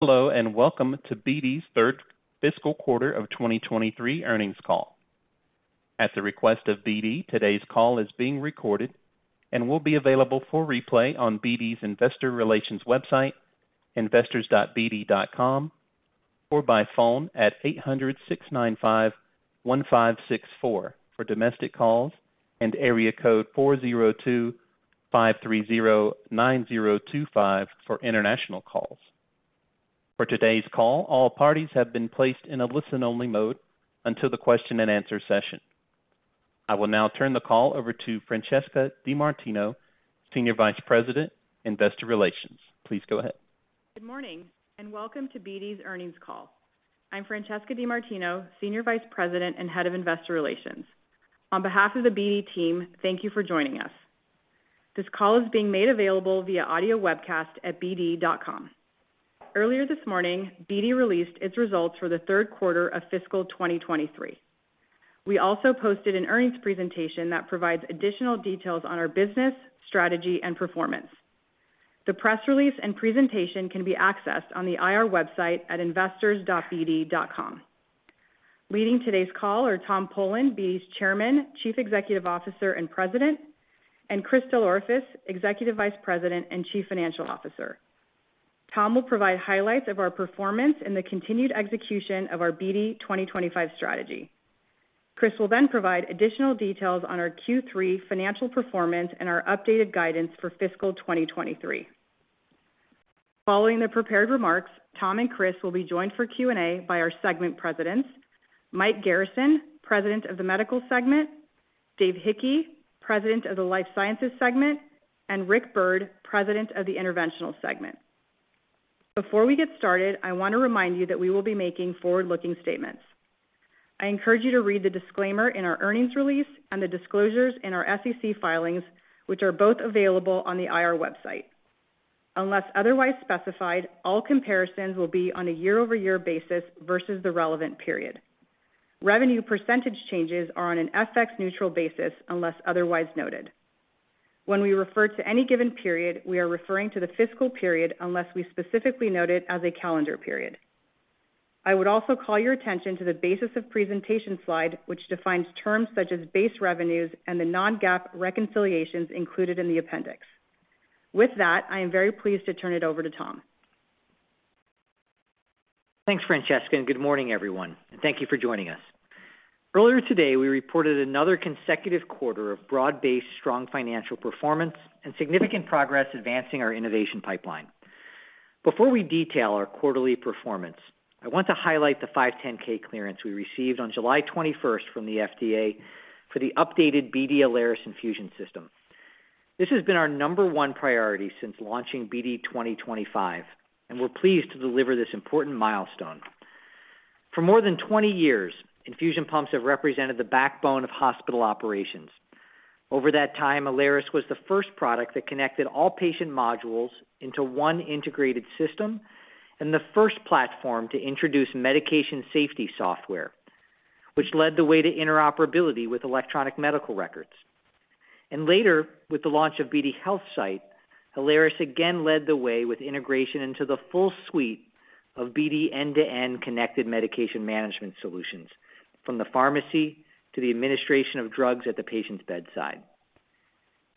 Hello, welcome to BD's third fiscal quarter of 2023 earnings call. At the request of BD, today's call is being recorded and will be available for replay on BD's investor relations website, investors.bd.com, or by phone at 800-695-1564 for domestic calls and area code 402-530-9025 for international calls. For today's call, all parties have been placed in a listen-only mode until the question and answer session. I will now turn the call over to Francesca DeMartino, Senior Vice President, Investor Relations. Please go ahead. Good morning, and welcome to BD's earnings call. I'm Francesca DeMartino, Senior Vice President and Head of Investor Relations. On behalf of the BD team, thank you for joining us. This call is being made available via audio webcast at bd.com. Earlier this morning, BD released its results for the third quarter of fiscal 2023. We also posted an earnings presentation that provides additional details on our business, strategy, and performance. The press release and presentation can be accessed on the IR website at investors.bd.com. Leading today's call are Tom Polen, BD's Chairman, Chief Executive Officer, and President, and Chris DelOrefice, Executive Vice President and Chief Financial Officer. Tom will provide highlights of our performance and the continued execution of our BD 2025 strategy. Chris will then provide additional details on our Q3 financial performance and our updated guidance for fiscal 2023. Following the prepared remarks, Tom and Chris will be joined for Q&A by our segment presidents, Mike Garrison, President of the Medical Segment, Dave Hickey, President of the Life Sciences Segment, and Rick Byrd, President of the Interventional Segment. Before we get started, I want to remind you that we will be making forward-looking statements. I encourage you to read the disclaimer in our earnings release and the disclosures in our SEC filings, which are both available on the IR website. Unless otherwise specified, all comparisons will be on a year-over-year basis versus the relevant period. Revenue percentage changes are on an FX neutral basis, unless otherwise noted. When we refer to any given period, we are referring to the fiscal period, unless we specifically note it as a calendar period. I would also call your attention to the basis of presentation slide, which defines terms such as base revenues and the non-GAAP reconciliations included in the appendix. With that, I am very pleased to turn it over to Tom. Thanks, Francesca, good morning, everyone, and thank you for joining us. Earlier today, we reported another consecutive quarter of broad-based, strong financial performance and significant progress advancing our innovation pipeline. Before we detail our quarterly performance, I want to highlight the 510(k) clearance we received on July 21st from the FDA for the updated BD Alaris infusion system. This has been our number one priority since launching BD 2025, and we're pleased to deliver this important milestone. For more than 20 years, infusion pumps have represented the backbone of hospital operations. Over that time, Alaris was the first product that connected all patient modules into one integrated system and the first platform to introduce medication safety software, which led the way to interoperability with electronic medical records. Later, with the launch of BD HealthSight, Alaris again led the way with integration into the full suite of BD end-to-end connected medication management solutions, from the pharmacy to the administration of drugs at the patient's bedside.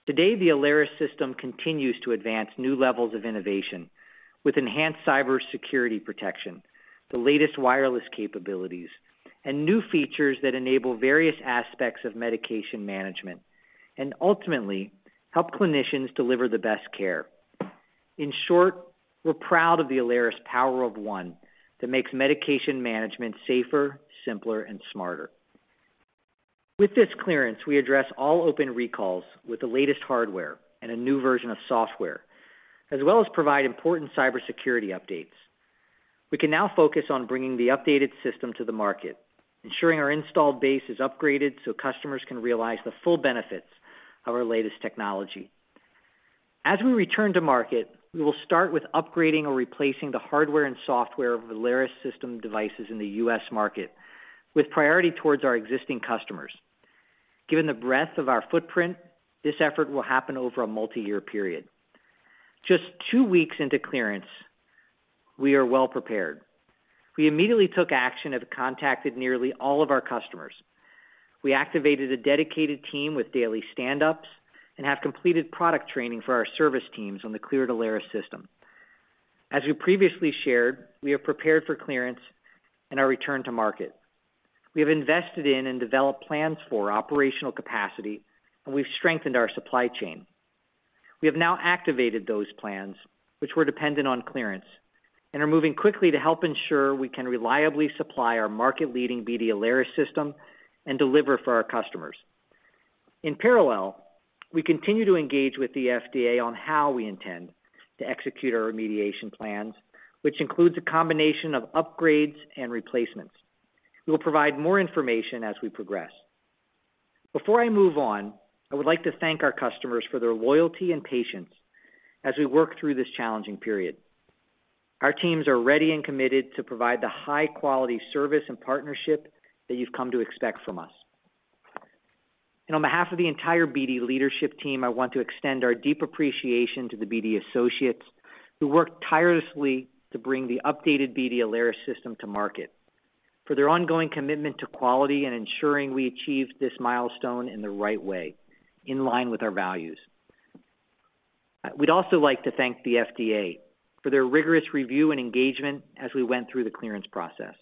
Today, the Alaris system continues to advance new levels of innovation with enhanced cybersecurity protection, the latest wireless capabilities, and new features that enable various aspects of medication management and ultimately help clinicians deliver the best care. In short, we're proud of the Alaris Power of One that makes medication management safer, simpler, and smarter. With this clearance, we address all open recalls with the latest hardware and a new version of software, as well as provide important cybersecurity updates. We can now focus on bringing the updated system to the market, ensuring our installed base is upgraded so customers can realize the full benefits of our latest technology. As we return to market, we will start with upgrading or replacing the hardware and software of Alaris system devices in the U.S. market, with priority towards our existing customers. Given the breadth of our footprint, this effort will happen over a multiyear period. Just 2 weeks into clearance, we are well prepared. We immediately took action and have contacted nearly all of our customers. We activated a dedicated team with daily stand-ups and have completed product training for our service teams on the cleared Alaris system. As we previously shared, we have prepared for clearance and our return to market. We have invested in and developed plans for operational capacity, and we've strengthened our supply chain. We have now activated those plans, which were dependent on clearance, and are moving quickly to help ensure we can reliably supply our market-leading BD Alaris system and deliver for our customers. In parallel, we continue to engage with the FDA on how we intend to execute our remediation plans, which includes a combination of upgrades and replacements. We will provide more information as we progress. Before I move on, I would like to thank our customers for their loyalty and patience as we work through this challenging period. Our teams are ready and committed to provide the high-quality service and partnership that you've come to expect from us. On behalf of the entire BD leadership team, I want to extend our deep appreciation to the BD associates, who worked tirelessly to bring the updated BD Alaris system to market, for their ongoing commitment to quality and ensuring we achieve this milestone in the right way, in line with our values. We'd also like to thank the FDA for their rigorous review and engagement as we went through the clearance process.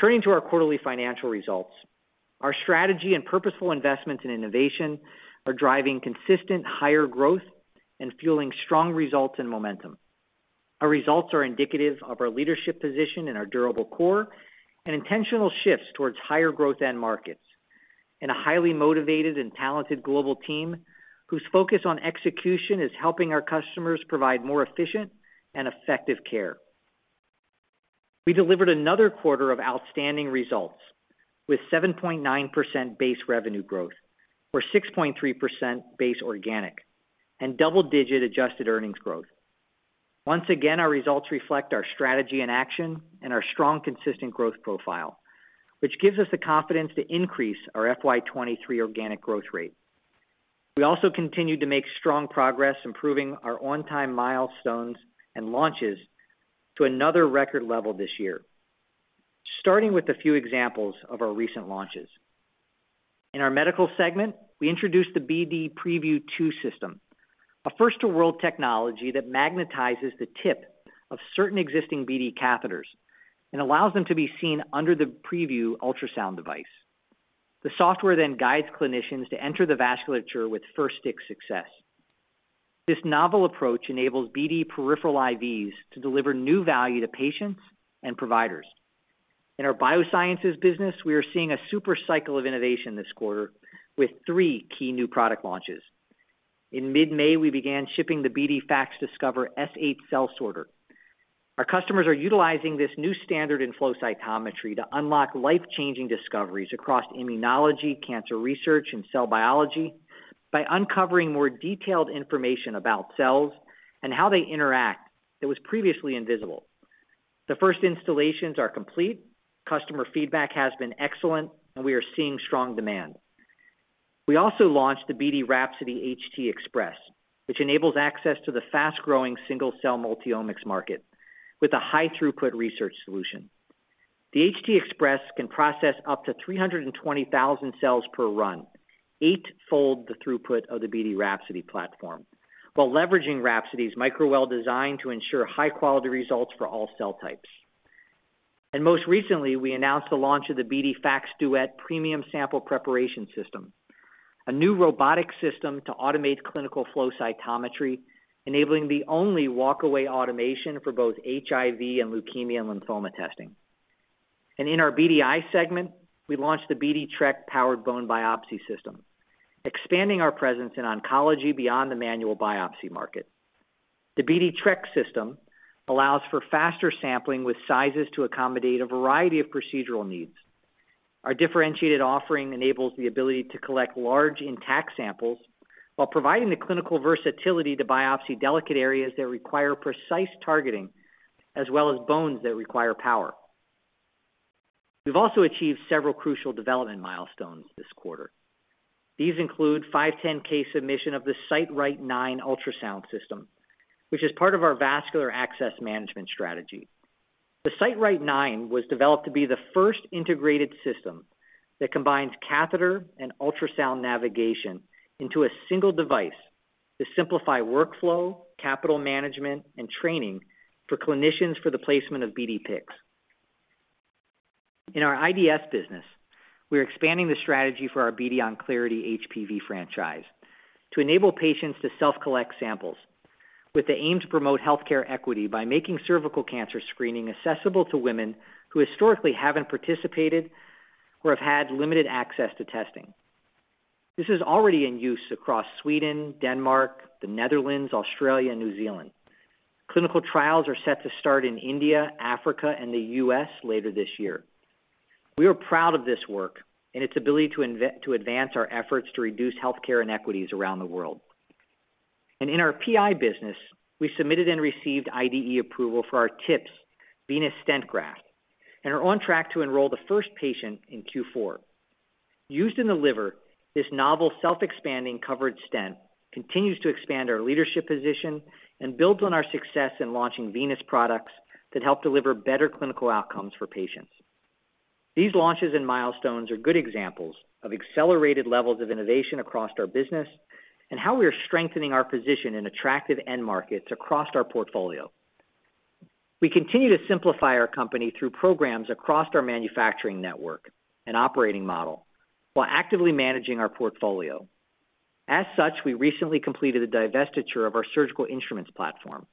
Turning to our quarterly financial results, our strategy and purposeful investments in innovation are driving consistent higher growth and fueling strong results and momentum. Our results are indicative of our leadership position in our durable core, and intentional shifts towards higher growth end markets, and a highly motivated and talented global team, whose focus on execution is helping our customers provide more efficient and effective care. We delivered another quarter of outstanding results, with 7.9% base revenue growth, or 6.3% base organic, and double-digit adjusted earnings growth. Once again, our results reflect our strategy in action and our strong, consistent growth profile, which gives us the confidence to increase our FY 2023 organic growth rate. We also continued to make strong progress, improving our on-time milestones and launches to another record level this year. Starting with a few examples of our recent launches. In our Medical segment, we introduced the BD Prevue II system, a first-to-world technology that magnetizes the tip of certain existing BD catheters and allows them to be seen under the Prevue ultrasound device. The software then guides clinicians to enter the vasculature with first-stick success. This novel approach enables BD peripheral IVs to deliver new value to patients and providers. In our BD Biosciences business, we are seeing a super cycle of innovation this quarter, with 3 key new product launches. In mid-May, we began shipping the BD FACSDiscover S8 cell sorter. Our customers are utilizing this new standard in flow cytometry to unlock life-changing discoveries across immunology, cancer research, and cell biology by uncovering more detailed information about cells and how they interact that was previously invisible. The first installations are complete, customer feedback has been excellent, and we are seeing strong demand. We also launched the BD Rhapsody HT Xpress, which enables access to the fast-growing single-cell multi-omics market with a high-throughput research solution. The HT Xpress can process up to 320,000 cells per run, eightfold the throughput of the BD Rhapsody platform, while leveraging Rhapsody's microwell design to ensure high-quality results for all cell types. Most recently, we announced the launch of the BD FACSDuet premium sample preparation system, a new robotic system to automate clinical flow cytometry, enabling the only walk-away automation for both HIV and leukemia and lymphoma testing. In our BDI segment, we launched the BD Trek Powered Bone Biopsy System, expanding our presence in oncology beyond the manual biopsy market. The BD Trek system allows for faster sampling with sizes to accommodate a variety of procedural needs. Our differentiated offering enables the ability to collect large intact samples while providing the clinical versatility to biopsy delicate areas that require precise targeting, as well as bones that require power. We've also achieved several crucial development milestones this quarter. These include 510(k) submission of the BD SiteRite 9 ultrasound system, which is part of our vascular access management strategy. The BD SiteRite 9 was developed to be the first integrated system that combines catheter and ultrasound navigation into a single device to simplify workflow, capital management, and training for clinicians for the placement of BD PICs. In our IDS business, we are expanding the strategy for our BD Onclarity HPV franchise to enable patients to self-collect samples, with the aim to promote healthcare equity by making cervical cancer screening accessible to women who historically haven't participated or have had limited access to testing. This is already in use across Sweden, Denmark, the Netherlands, Australia, and New Zealand. Clinical trials are set to start in India, Africa, and the U.S. later this year. We are proud of this work and its ability to advance our efforts to reduce healthcare inequities around the world. In our PI business, we submitted and received IDE approval for our TIPS venous stent graft, and are on track to enroll the first patient in Q4. Used in the liver, this novel self-expanding covered stent continues to expand our leadership position and builds on our success in launching venous products that help deliver better clinical outcomes for patients. These launches and milestones are good examples of accelerated levels of innovation across our business and how we are strengthening our position in attractive end markets across our portfolio. We continue to simplify our company through programs across our manufacturing network and operating model, while actively managing our portfolio. As such, we recently completed a divestiture of our surgical instruments platform.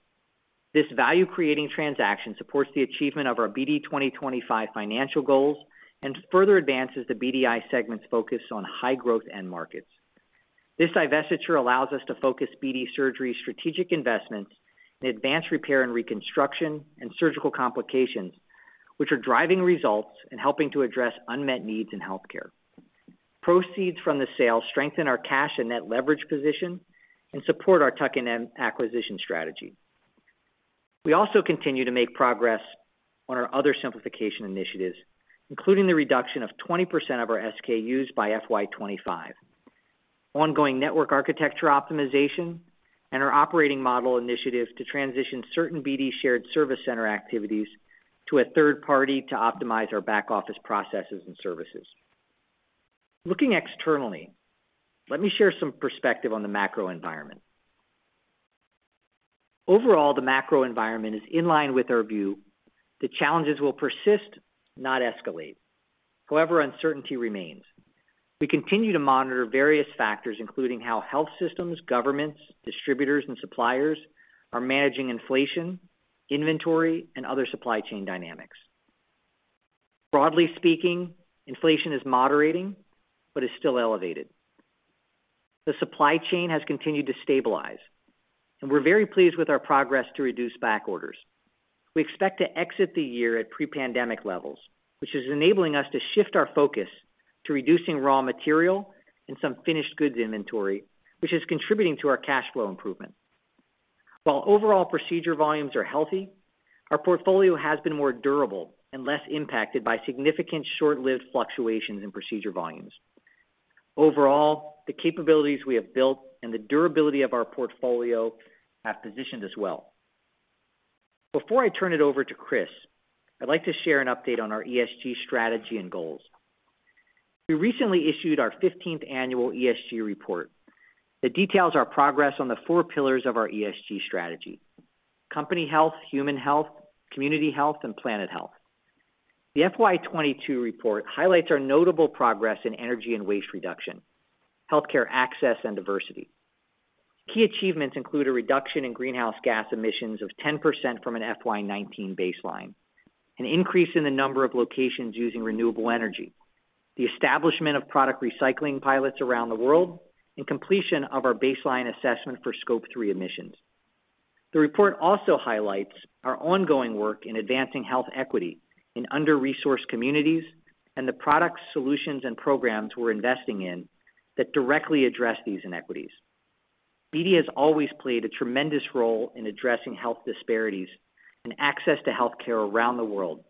This value-creating transaction supports the achievement of our BD 2025 financial goals and further advances the BDI segment's focus on high-growth end markets. This divestiture allows us to focus BD Surgery's strategic investments in advanced repair and reconstruction and surgical complications, which are driving results and helping to address unmet needs in healthcare. Proceeds from the sale strengthen our cash and net leverage position and support our tuck-in acquisition strategy. We also continue to make progress on our other simplification initiatives, including the reduction of 20% of our SKUs by FY 2025, ongoing network architecture optimization, and our operating model initiatives to transition certain BD shared service center activities to a third party to optimize our back office processes and services. Looking externally, let me share some perspective on the macro environment. Overall, the macro environment is in line with our view that challenges will persist, not escalate. However, uncertainty remains. We continue to monitor various factors, including how health systems, governments, distributors, and suppliers are managing inflation, inventory, and other supply chain dynamics. Broadly speaking, inflation is moderating, but is still elevated. The supply chain has continued to stabilize, and we're very pleased with our progress to reduce back orders. We expect to exit the year at pre-pandemic levels, which is enabling us to shift our focus to reducing raw material and some finished goods inventory, which is contributing to our cash flow improvement. While overall procedure volumes are healthy, our portfolio has been more durable and less impacted by significant short-lived fluctuations in procedure volumes. Overall, the capabilities we have built and the durability of our portfolio have positioned us well. Before I turn it over to Chris, I'd like to share an update on our ESG strategy and goals. We recently issued our 15th annual ESG report that details our progress on the four pillars of our ESG strategy: company health, human health, community health, and planet health. The FY 2022 report highlights our notable progress in energy and waste reduction, healthcare access, and diversity. Key achievements include a reduction in greenhouse gas emissions of 10% from an FY 2019 baseline, an increase in the number of locations using renewable energy, the establishment of product recycling pilots around the world, and completion of our baseline assessment for Scope 3 emissions. The report also highlights our ongoing work in advancing health equity in under-resourced communities and the products, solutions, and programs we're investing in that directly address these inequities. BD has always played a tremendous role in addressing health disparities and access to healthcare around the world,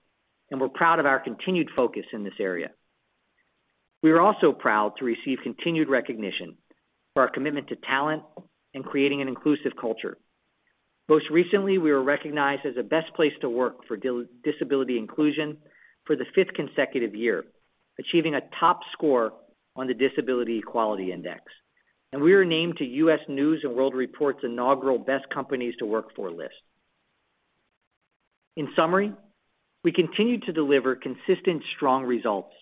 and we're proud of our continued focus in this area. We are also proud to receive continued recognition for our commitment to talent and creating an inclusive culture. Most recently, we were recognized as the best place to work for disability inclusion for the fifth consecutive year, achieving a top score on the Disability Equality Index, we were named to U.S. News & World Report's inaugural Best Companies to Work For list. In summary, we continue to deliver consistent, strong results.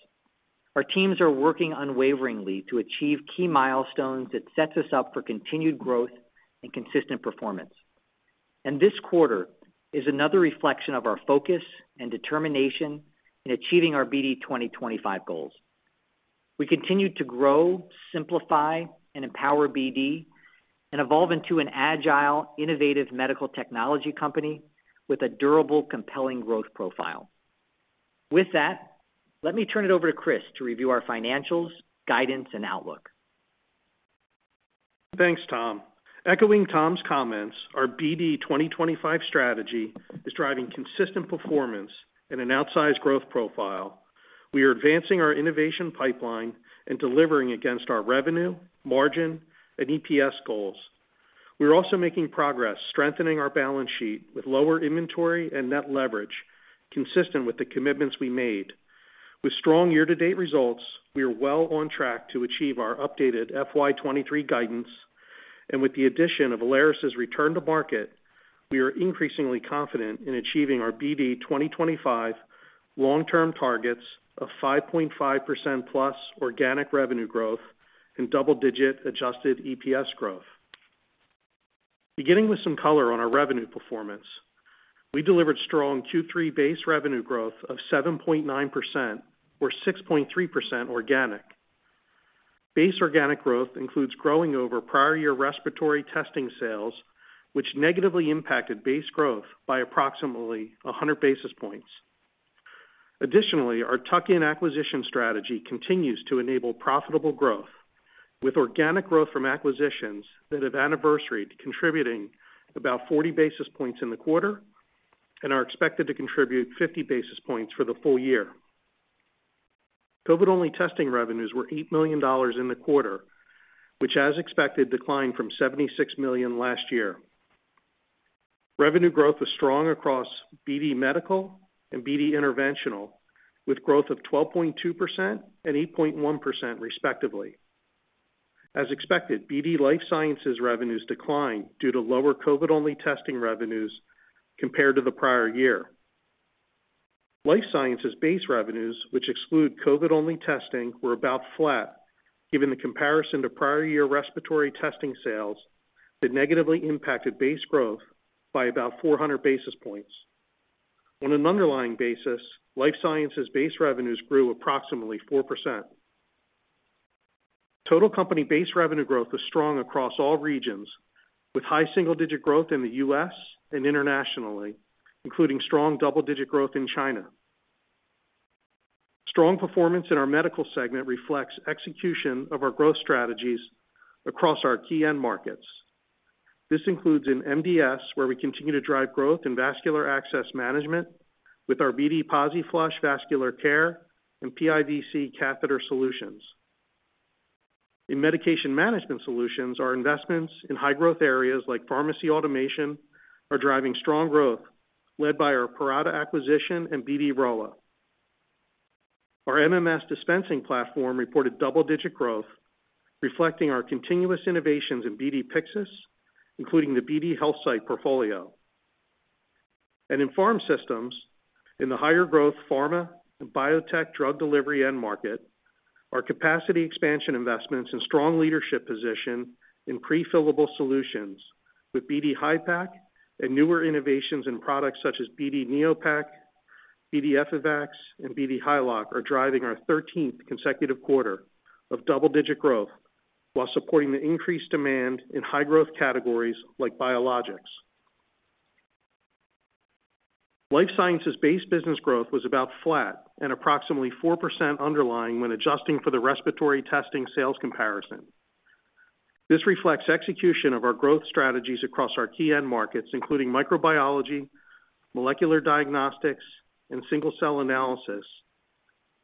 Our teams are working unwaveringly to achieve key milestones that sets us up for continued growth and consistent performance. This quarter is another reflection of our focus and determination in achieving our BD 2025 goals. We continue to grow, simplify, and empower BD and evolve into an agile, innovative medical technology company with a durable, compelling growth profile. With that, let me turn it over to Chris to review our financials, guidance, and outlook. Thanks, Tom. Echoing Tom's comments, our BD 2025 strategy is driving consistent performance and an outsized growth profile. We are advancing our innovation pipeline and delivering against our revenue, margin, and EPS goals. We are also making progress strengthening our balance sheet with lower inventory and net leverage, consistent with the commitments we made. With strong year-to-date results, we are well on track to achieve our updated FY 2023 guidance, and with the addition of Alaris' return to market, we are increasingly confident in achieving our BD 2025 long-term targets of 5.5%+ organic revenue growth and double-digit adjusted EPS growth. Beginning with some color on our revenue performance, we delivered strong Q3 base revenue growth of 7.9%, or 6.3% organic. Base organic growth includes growing over prior year respiratory testing sales, which negatively impacted base growth by approximately 100 basis points. Additionally, our tuck-in acquisition strategy continues to enable profitable growth, with organic growth from acquisitions that have anniversaried, contributing about 40 basis points in the quarter and are expected to contribute 50 basis points for the full year. COVID-only testing revenues were $8 million in the quarter, which, as expected, declined from $76 million last year. Revenue growth was strong across BD Medical and BD Interventional, with growth of 12.2% and 8.1%, respectively. As expected, BD Life Sciences revenues declined due to lower COVID-only testing revenues compared to the prior year. Life Sciences base revenues, which exclude COVID-only testing, were about flat, given the comparison to prior year respiratory testing sales that negatively impacted base growth by about 400 basis points. On an underlying basis, BD Life Sciences base revenues grew approximately 4%. Total company base revenue growth was strong across all regions, with high single-digit growth in the U.S. and internationally, including strong double-digit growth in China. Strong performance in our BD Medical segment reflects execution of our growth strategies across our key end markets. This includes in MDS, where we continue to drive growth in vascular access management with our BD PosiFlush Vascular Care and PIVC Catheter solutions. In Medication Management Solutions, our investments in high growth areas like pharmacy automation are driving strong growth, led by our Parata acquisition and BD Rowa. Our MMS dispensing platform reported double-digit growth, reflecting our continuous innovations in BD Pyxis, including the BD HealthSight portfolio. In Pharm Systems, in the higher growth pharma and biotech drug delivery end market, our capacity expansion investments and strong leadership position in prefillable solutions with BD Hypak and newer innovations in products such as BD Neopak, BD Evolve, and BD Hylok are driving our 13th consecutive quarter of double-digit growth while supporting the increased demand in high growth categories like biologics. Life Sciences base business growth was about flat and approximately 4% underlying when adjusting for the respiratory testing sales comparison. This reflects execution of our growth strategies across our key end markets, including microbiology, molecular diagnostics, and single-cell analysis.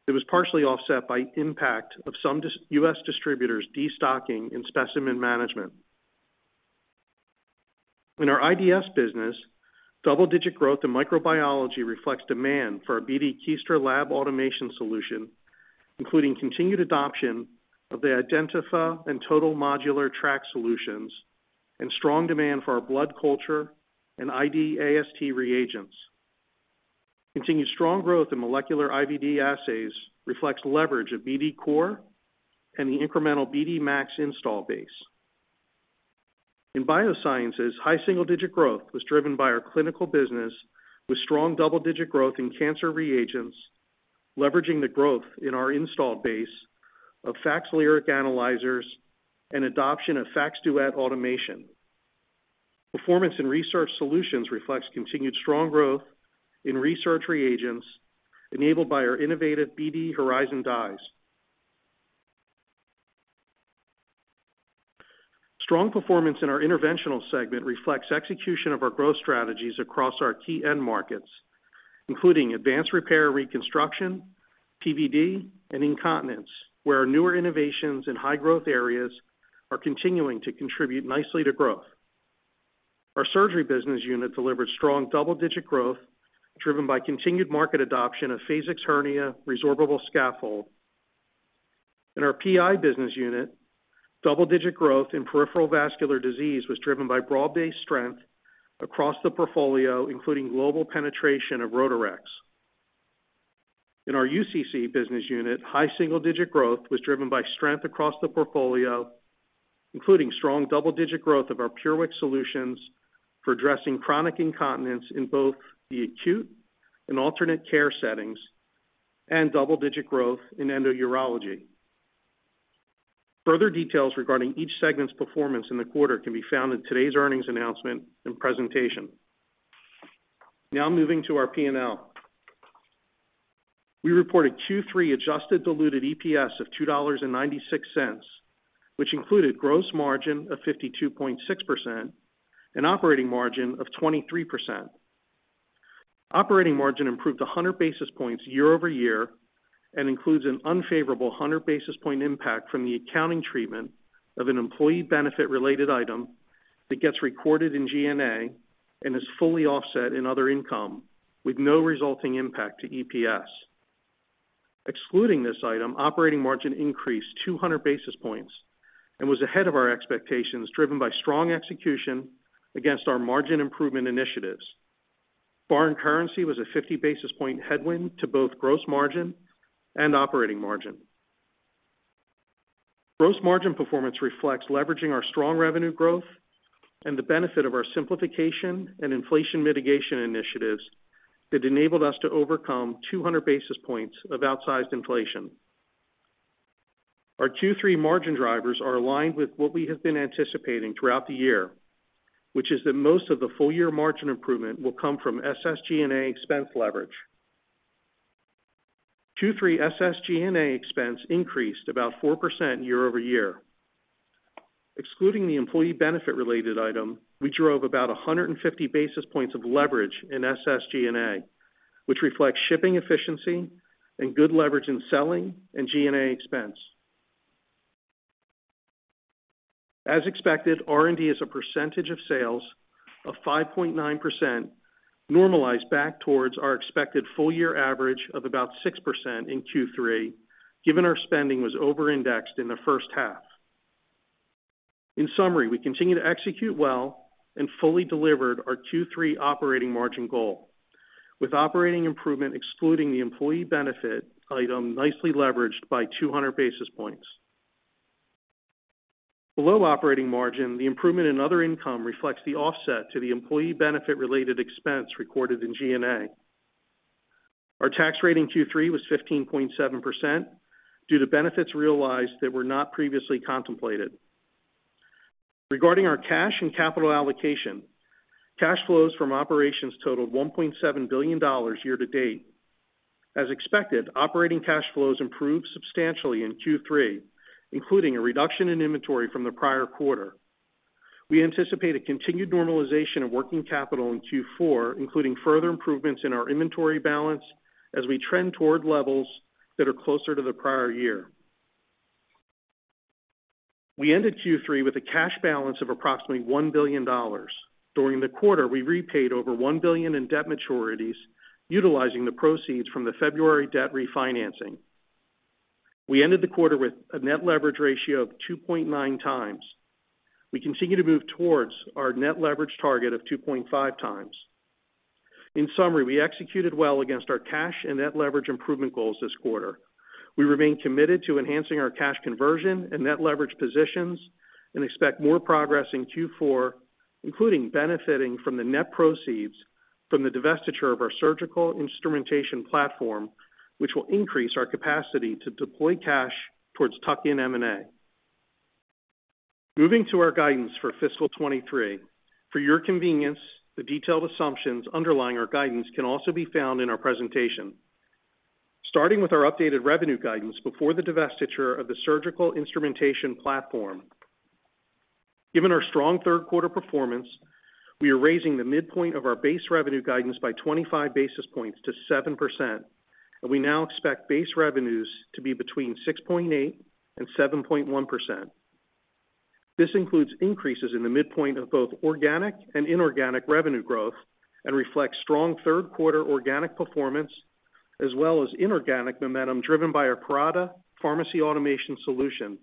It was partially offset by impact of some ex-U.S. distributors destocking in specimen management. In our IDS business, double-digit growth in microbiology reflects demand for our BD Kiestra lab automation solution, including continued adoption of the IdentifA and Total Modular Track solutions and strong demand for our blood culture and ID AST reagents. Continued strong growth in molecular IVD assays reflects leverage of BD COR and the incremental BD MAX install base. In Biosciences, high single-digit growth was driven by our clinical business, with strong double-digit growth in cancer reagents, leveraging the growth in our install base of FACSLyric analyzers and adoption of FACSDuet automation. Performance in research solutions reflects continued strong growth in research reagents enabled by our innovative BD Horizon dyes. Strong performance in our Interventional segment reflects execution of our growth strategies across our key end markets, including advanced repair and reconstruction, PVD, and incontinence, where our newer innovations in high growth areas are continuing to contribute nicely to growth. Our Surgery business unit delivered strong double-digit growth, driven by continued market adoption of Phasix hernia resorbable scaffold. In our PI business unit, double-digit growth in peripheral vascular disease was driven by broad-based strength across the portfolio, including global penetration of Rotarex. In our UCC business unit, high single-digit growth was driven by strength across the portfolio, including strong double-digit growth of our PureWick solutions for addressing chronic incontinence in both the acute and alternate care settings, and double-digit growth in endourology. Further details regarding each segment's performance in the quarter can be found in today's earnings announcement and presentation. Now moving to our P&L. We reported Q3 adjusted diluted EPS of $2.96, which included gross margin of 52.6% and operating margin of 23%. Operating margin improved 100 basis points year-over-year and includes an unfavorable 100 basis point impact from the accounting treatment of an employee benefit-related item that gets recorded in G&A and is fully offset in other income, with no resulting impact to EPS. Excluding this item, operating margin increased 200 basis points and was ahead of our expectations, driven by strong execution against our margin improvement initiatives. Foreign currency was a 50 basis point headwind to both gross margin and operating margin. Gross margin performance reflects leveraging our strong revenue growth and the benefit of our simplification and inflation mitigation initiatives that enabled us to overcome 200 basis points of outsized inflation. Our Q3 margin drivers are aligned with what we have been anticipating throughout the year, which is that most of the full year margin improvement will come from SSG&A expense leverage. Q3 SSG&A expense increased about 4% year-over-year. Excluding the employee benefit-related item, we drove about 150 basis points of leverage in SSG&A, which reflects shipping efficiency and good leverage in selling and G&A expense. As expected, R&D as a percentage of sales of 5.9% normalized back towards our expected full year average of about 6% in Q3, given our spending was overindexed in the first half. In summary, we continue to execute well and fully delivered our Q3 operating margin goal, with operating improvement excluding the employee benefit item nicely leveraged by 200 basis points. Below operating margin, the improvement in other income reflects the offset to the employee benefit-related expense recorded in G&A. Our tax rate in Q3 was 15.7% due to benefits realized that were not previously contemplated. Regarding our cash and capital allocation, cash flows from operations totaled $1.7 billion year-to-date. As expected, operating cash flows improved substantially in Q3, including a reduction in inventory from the prior quarter. We anticipate a continued normalization of working capital in Q4, including further improvements in our inventory balance as we trend toward levels that are closer to the prior year. We ended Q3 with a cash balance of approximately $1 billion. During the quarter, we repaid over $1 billion in debt maturities, utilizing the proceeds from the February debt refinancing. We ended the quarter with a net leverage ratio of 2.9x. We continue to move towards our net leverage target of 2.5x. In summary, we executed well against our cash and net leverage improvement goals this quarter. We remain committed to enhancing our cash conversion and net leverage positions and expect more progress in Q4, including benefiting from the net proceeds from the divestiture of our surgical instrumentation platform, which will increase our capacity to deploy cash towards tuck-in M&A. Moving to our guidance for fiscal 2023. For your convenience, the detailed assumptions underlying our guidance can also be found in our presentation. Starting with our updated revenue guidance before the divestiture of the surgical instrumentation platform. Given our strong third quarter performance, we are raising the midpoint of our base revenue guidance by 25 basis points to 7%, and we now expect base revenues to be between 6.8%-7.1%. This includes increases in the midpoint of both organic and inorganic revenue growth and reflects strong third quarter organic performance, as well as inorganic momentum driven by our Parata pharmacy automation solution,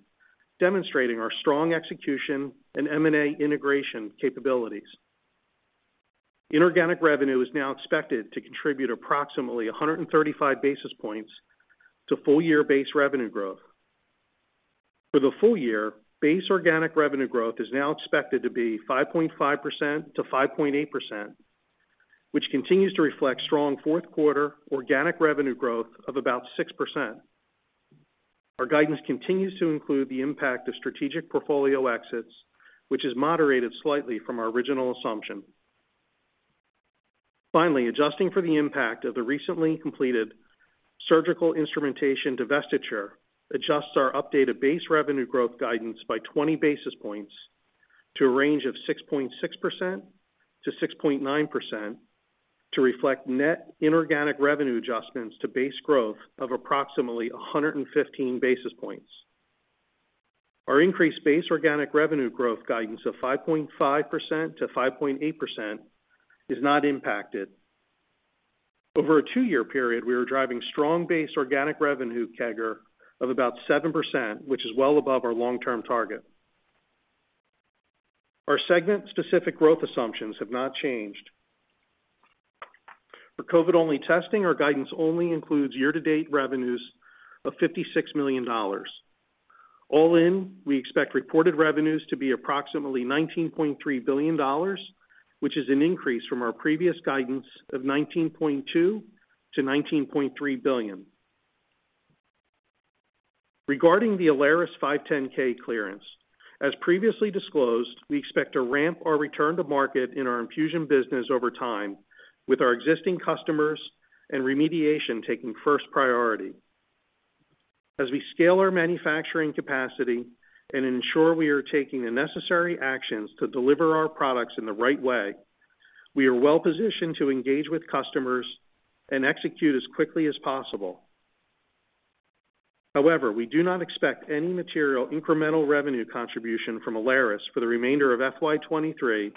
demonstrating our strong execution and M&A integration capabilities. Inorganic revenue is now expected to contribute approximately 135 basis points to full year base revenue growth. For the full year, base organic revenue growth is now expected to be 5.5%-5.8%, which continues to reflect strong fourth quarter organic revenue growth of about 6%. Our guidance continues to include the impact of strategic portfolio exits, which is moderated slightly from our original assumption. Finally, adjusting for the impact of the recently completed surgical instrumentation divestiture adjusts our updated base revenue growth guidance by 20 basis points to a range of 6.6%-6.9%, to reflect net inorganic revenue adjustments to base growth of approximately 115 basis points. Our increased base organic revenue growth guidance of 5.5%-5.8% is not impacted. Over a two-year period, we are driving strong base organic revenue CAGR of about 7%, which is well above our long-term target. Our segment-specific growth assumptions have not changed. For COVID-only testing, our guidance only includes year-to-date revenues of $56 million. All in, we expect reported revenues to be approximately $19.3 billion, which is an increase from our previous guidance of $19.2 billion-$19.3 billion. Regarding the Alaris 510(k) clearance, as previously disclosed, we expect to ramp our return to market in our infusion business over time, with our existing customers and remediation taking first priority. As we scale our manufacturing capacity and ensure we are taking the necessary actions to deliver our products in the right way, we are well positioned to engage with customers and execute as quickly as possible. We do not expect any material incremental revenue contribution from Alaris for the remainder of FY 2023,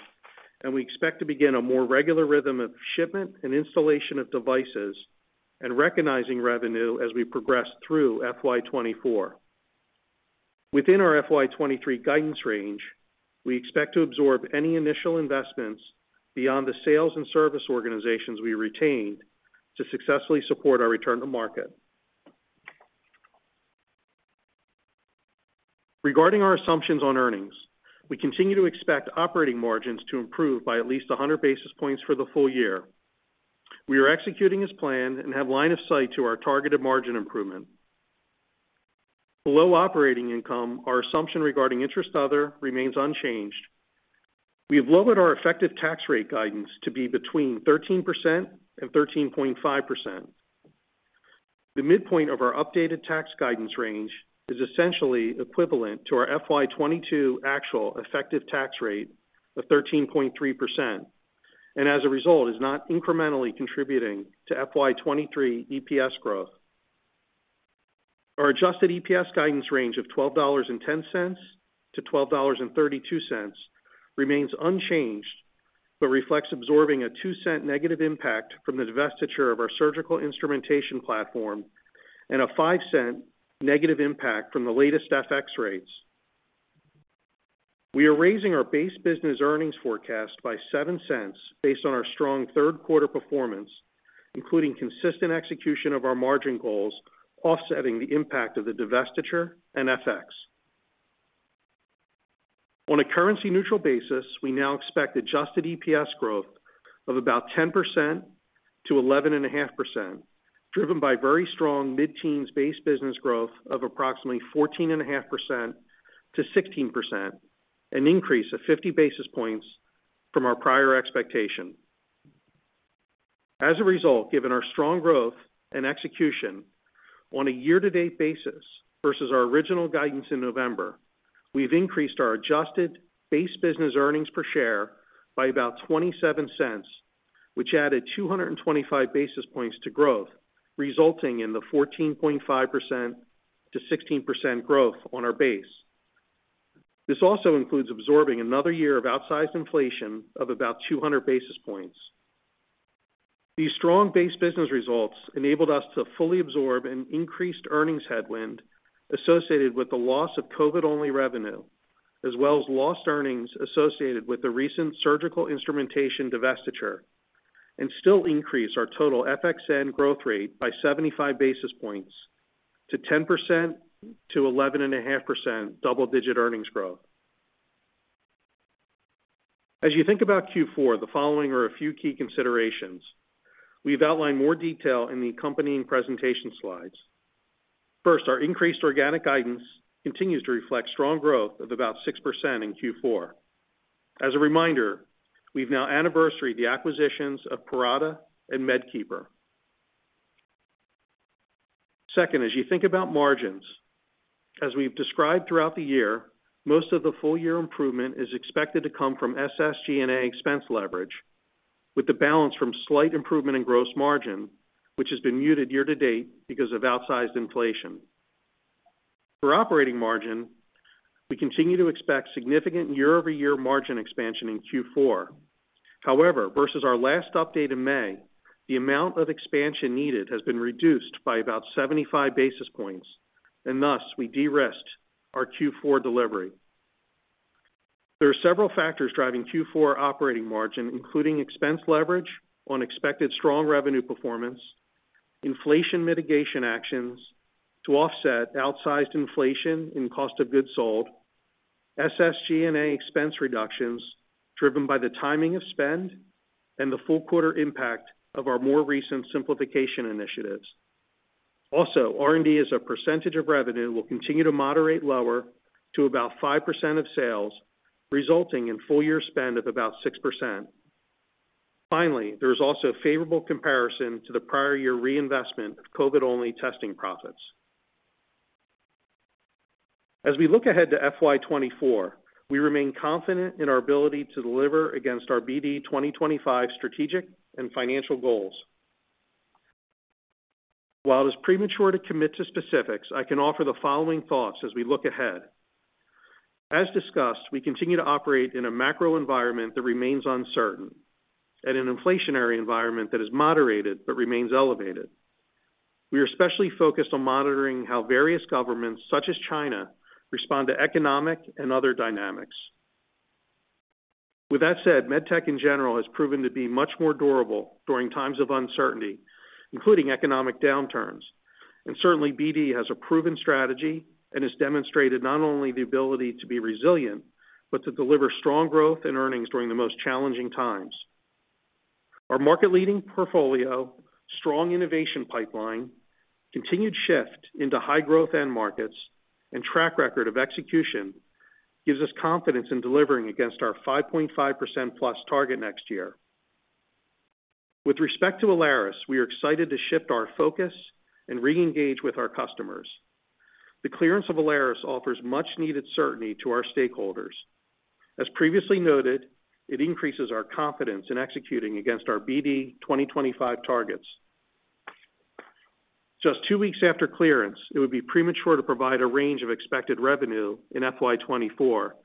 and we expect to begin a more regular rhythm of shipment and installation of devices and recognizing revenue as we progress through FY 2024. Within our FY 2023 guidance range, we expect to absorb any initial investments beyond the sales and service organizations we retained to successfully support our return to market. Regarding our assumptions on earnings, we continue to expect operating margins to improve by at least 100 basis points for the full year. We are executing as planned and have line of sight to our targeted margin improvement. Below operating income, our assumption regarding interest other remains unchanged. We have lowered our effective tax rate guidance to be between 13% and 13.5%. The midpoint of our updated tax guidance range is essentially equivalent to our FY 2022 actual effective tax rate of 13.3%, and as a result, is not incrementally contributing to FY 2023 EPS growth. Our adjusted EPS guidance range of $12.10-$12.32 remains unchanged, but reflects absorbing a $0.02 negative impact from the divestiture of our surgical instrumentation platform and a $0.05 negative impact from the latest FX rates. We are raising our base business earnings forecast by $0.07 based on our strong third quarter performance, including consistent execution of our margin goals, offsetting the impact of the divestiture and FX. On a currency neutral basis, we now expect adjusted EPS growth of about 10%-11.5%, driven by very strong mid-teens base business growth of approximately 14.5%-16%, an increase of 50 basis points from our prior expectation. As a result, given our strong growth and execution on a year-to-date basis versus our original guidance in November, we've increased our adjusted base business earnings per share by about $0.27, which added 225 basis points to growth, resulting in the 14.5%-16% growth on our base. This also includes absorbing another year of outsized inflation of about 200 basis points. These strong base business results enabled us to fully absorb an increased earnings headwind associated with the loss of COVID-only revenue, as well as lost earnings associated with the recent surgical instrumentation divestiture. Still increase our total FXN growth rate by 75 basis points to 10%-11.5% double-digit earnings growth. As you think about Q4, the following are a few key considerations. We've outlined more detail in the accompanying presentation slides. First, our increased organic guidance continues to reflect strong growth of about 6% in Q4. As a reminder, we've now anniversaried the acquisitions of Parata and MedKeeper. Second, as you think about margins, as we've described throughout the year, most of the full year improvement is expected to come from SSG&A expense leverage, with the balance from slight improvement in gross margin, which has been muted year-to-date because of outsized inflation. For operating margin, we continue to expect significant year-over-year margin expansion in Q4. Versus our last update in May, the amount of expansion needed has been reduced by about 75 basis points, thus, we derisked our Q4 delivery. There are several factors driving Q4 operating margin, including expense leverage on expected strong revenue performance, inflation mitigation actions to offset outsized inflation in cost of goods sold, SSG&A expense reductions driven by the timing of spend, and the full quarter impact of our more recent simplification initiatives. R&D, as a percentage of revenue, will continue to moderate lower to about 5% of sales, resulting in full year spend of about 6%. Finally, there is also a favorable comparison to the prior year reinvestment of COVID-only testing profits. As we look ahead to FY 2024, we remain confident in our ability to deliver against our BD 2025 strategic and financial goals. While it is premature to commit to specifics, I can offer the following thoughts as we look ahead. As discussed, we continue to operate in a macro environment that remains uncertain and an inflationary environment that is moderated but remains elevated. We are especially focused on monitoring how various governments, such as China, respond to economic and other dynamics. With that said, med tech in general, has proven to be much more durable during times of uncertainty, including economic downturns, and certainly BD has a proven strategy and has demonstrated not only the ability to be resilient, but to deliver strong growth in earnings during the most challenging times. Our market leading portfolio, strong innovation pipeline, continued shift into high growth end markets, and track record of execution gives us confidence in delivering against our 5.5%+ target next year. With respect to Alaris, we are excited to shift our focus and reengage with our customers. The clearance of Alaris offers much needed certainty to our stakeholders. As previously noted, it increases our confidence in executing against our BD 2025 targets. Just two weeks after clearance, it would be premature to provide a range of expected revenue in FY 2024.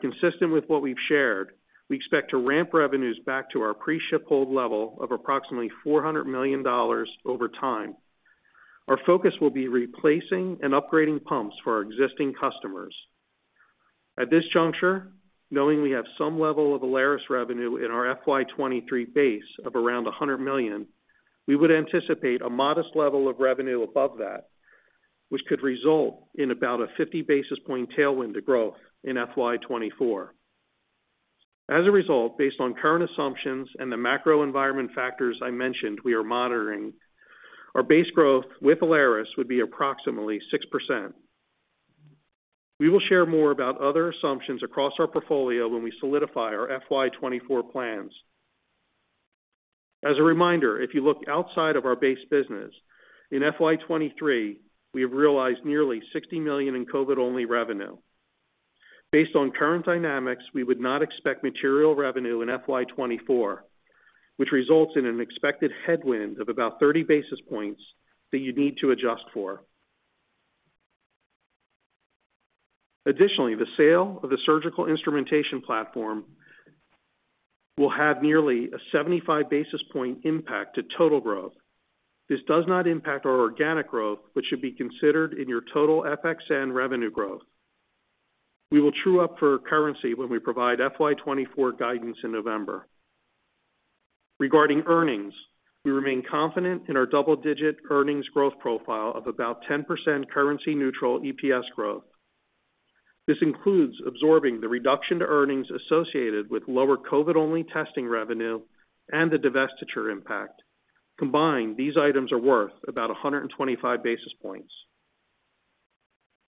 Consistent with what we've shared, we expect to ramp revenues back to our pre-shiphold level of approximately $400 million over time. Our focus will be replacing and upgrading pumps for our existing customers. At this juncture, knowing we have some level of Alaris revenue in our FY 2023 base of around $100 million, we would anticipate a modest level of revenue above that, which could result in about a 50 basis point tailwind to growth in FY 2024. Based on current assumptions and the macro environment factors I mentioned we are monitoring, our base growth with Alaris would be approximately 6%. We will share more about other assumptions across our portfolio when we solidify our FY 2024 plans. If you look outside of our base business, in FY 2023, we have realized nearly $60 million in COVID-only revenue. Based on current dynamics, we would not expect material revenue in FY 2024, which results in an expected headwind of about 30 basis points that you'd need to adjust for. Additionally, the sale of the surgical instrumentation platform will have nearly a 75 basis point impact to total growth. This does not impact our organic growth, but should be considered in your total FXN revenue growth. We will true up for currency when we provide FY 2024 guidance in November. Regarding earnings, we remain confident in our double-digit earnings growth profile of about 10% currency neutral EPS growth. This includes absorbing the reduction to earnings associated with lower COVID-only testing revenue and the divestiture impact. Combined, these items are worth about 125 basis points.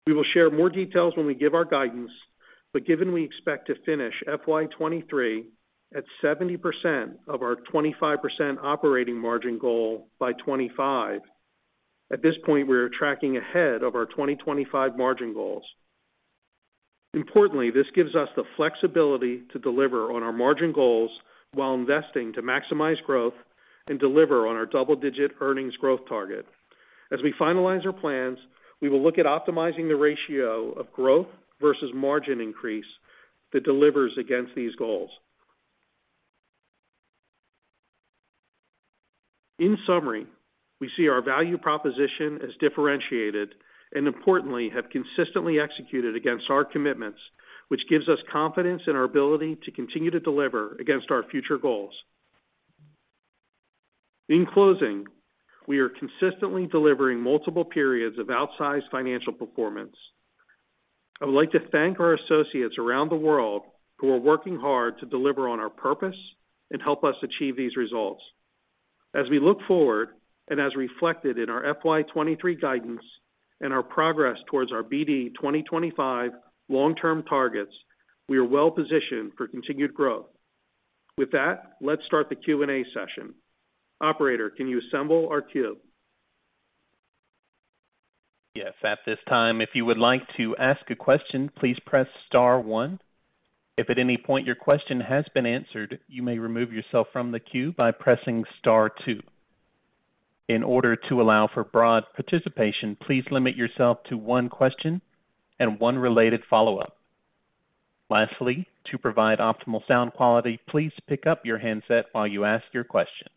We will share more details when we give our guidance, but given we expect to finish FY 2023 at 70% of our 25% operating margin goal by 2025, at this point, we are tracking ahead of our 2025 margin goals. Importantly, this gives us the flexibility to deliver on our margin goals while investing to maximize growth and deliver on our double-digit earnings growth target. As we finalize our plans, we will look at optimizing the ratio of growth versus margin increase that delivers against these goals. In summary, we see our value proposition as differentiated, and importantly, have consistently executed against our commitments, which gives us confidence in our ability to continue to deliver against our future goals. In closing, we are consistently delivering multiple periods of outsized financial performance. I would like to thank our associates around the world who are working hard to deliver on our purpose and help us achieve these results. As we look forward, and as reflected in our FY 2023 guidance and our progress towards our BD 2025 long-term targets, we are well positioned for continued growth. With that, let's start the Q&A session. Operator, can you assemble our queue? Yes. At this time, if you would like to ask a question, please press star one. If at any point your question has been answered, you may remove yourself from the queue by pressing star two. In order to allow for broad participation, please limit yourself to one question and one related follow-up. Lastly, to provide optimal sound quality, please pick up your handset while you ask your question.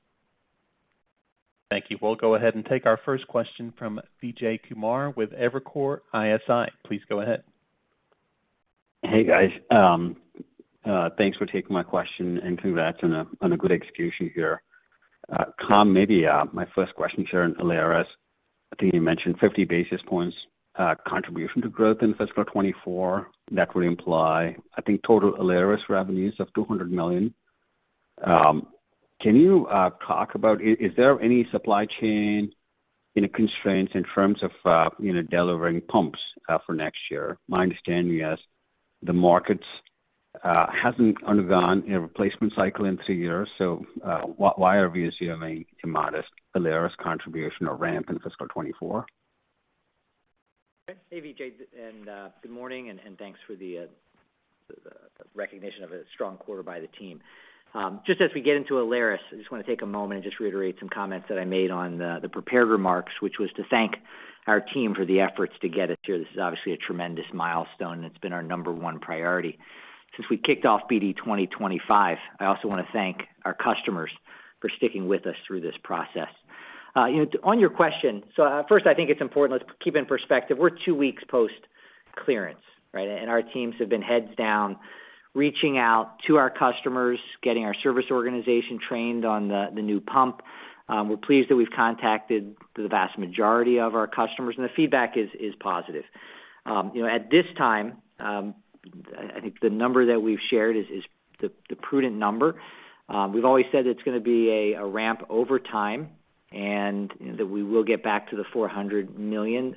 Thank you. We'll go ahead and take our first question from Vijay Kumar with Evercore ISI. Please go ahead. Hey, guys. Thanks for taking my question. Congrats on a good execution here. Tom, maybe, my first question here on Alaris. I think you mentioned 50 basis points contribution to growth in fiscal 2024. That would imply, I think, total Alaris revenues of $200 million. Can you talk about, is there any supply chain, any constraints in terms of, you know, delivering pumps for next year? My understanding is the markets hasn't undergone a replacement cycle in 3 years. Why are we assuming a modest Alaris contribution or ramp in fiscal 2024? Hey, Vijay, and good morning, and, and thanks for the recognition of a strong quarter by the team. Just as we get into Alaris, I just wanna take a moment and just reiterate some comments that I made on the, the prepared remarks, which was to thank our team for the efforts to get us here. This is obviously a tremendous milestone. It's been our number one priority since we kicked off BD 2025. I also wanna thank our customers for sticking with us through this process. You know, on your question, so, first, I think it's important, let's keep in perspective, we're two weeks post clearance, right? Our teams have been heads down, reaching out to our customers, getting our service organization trained on the, the new pump. We're pleased that we've contacted the vast majority of our customers, and the feedback is, is positive. You know, at this time, I, I think the number that we've shared is, is the, the prudent number. We've always said it's gonna be a, a ramp over time, and that we will get back to the $400 million,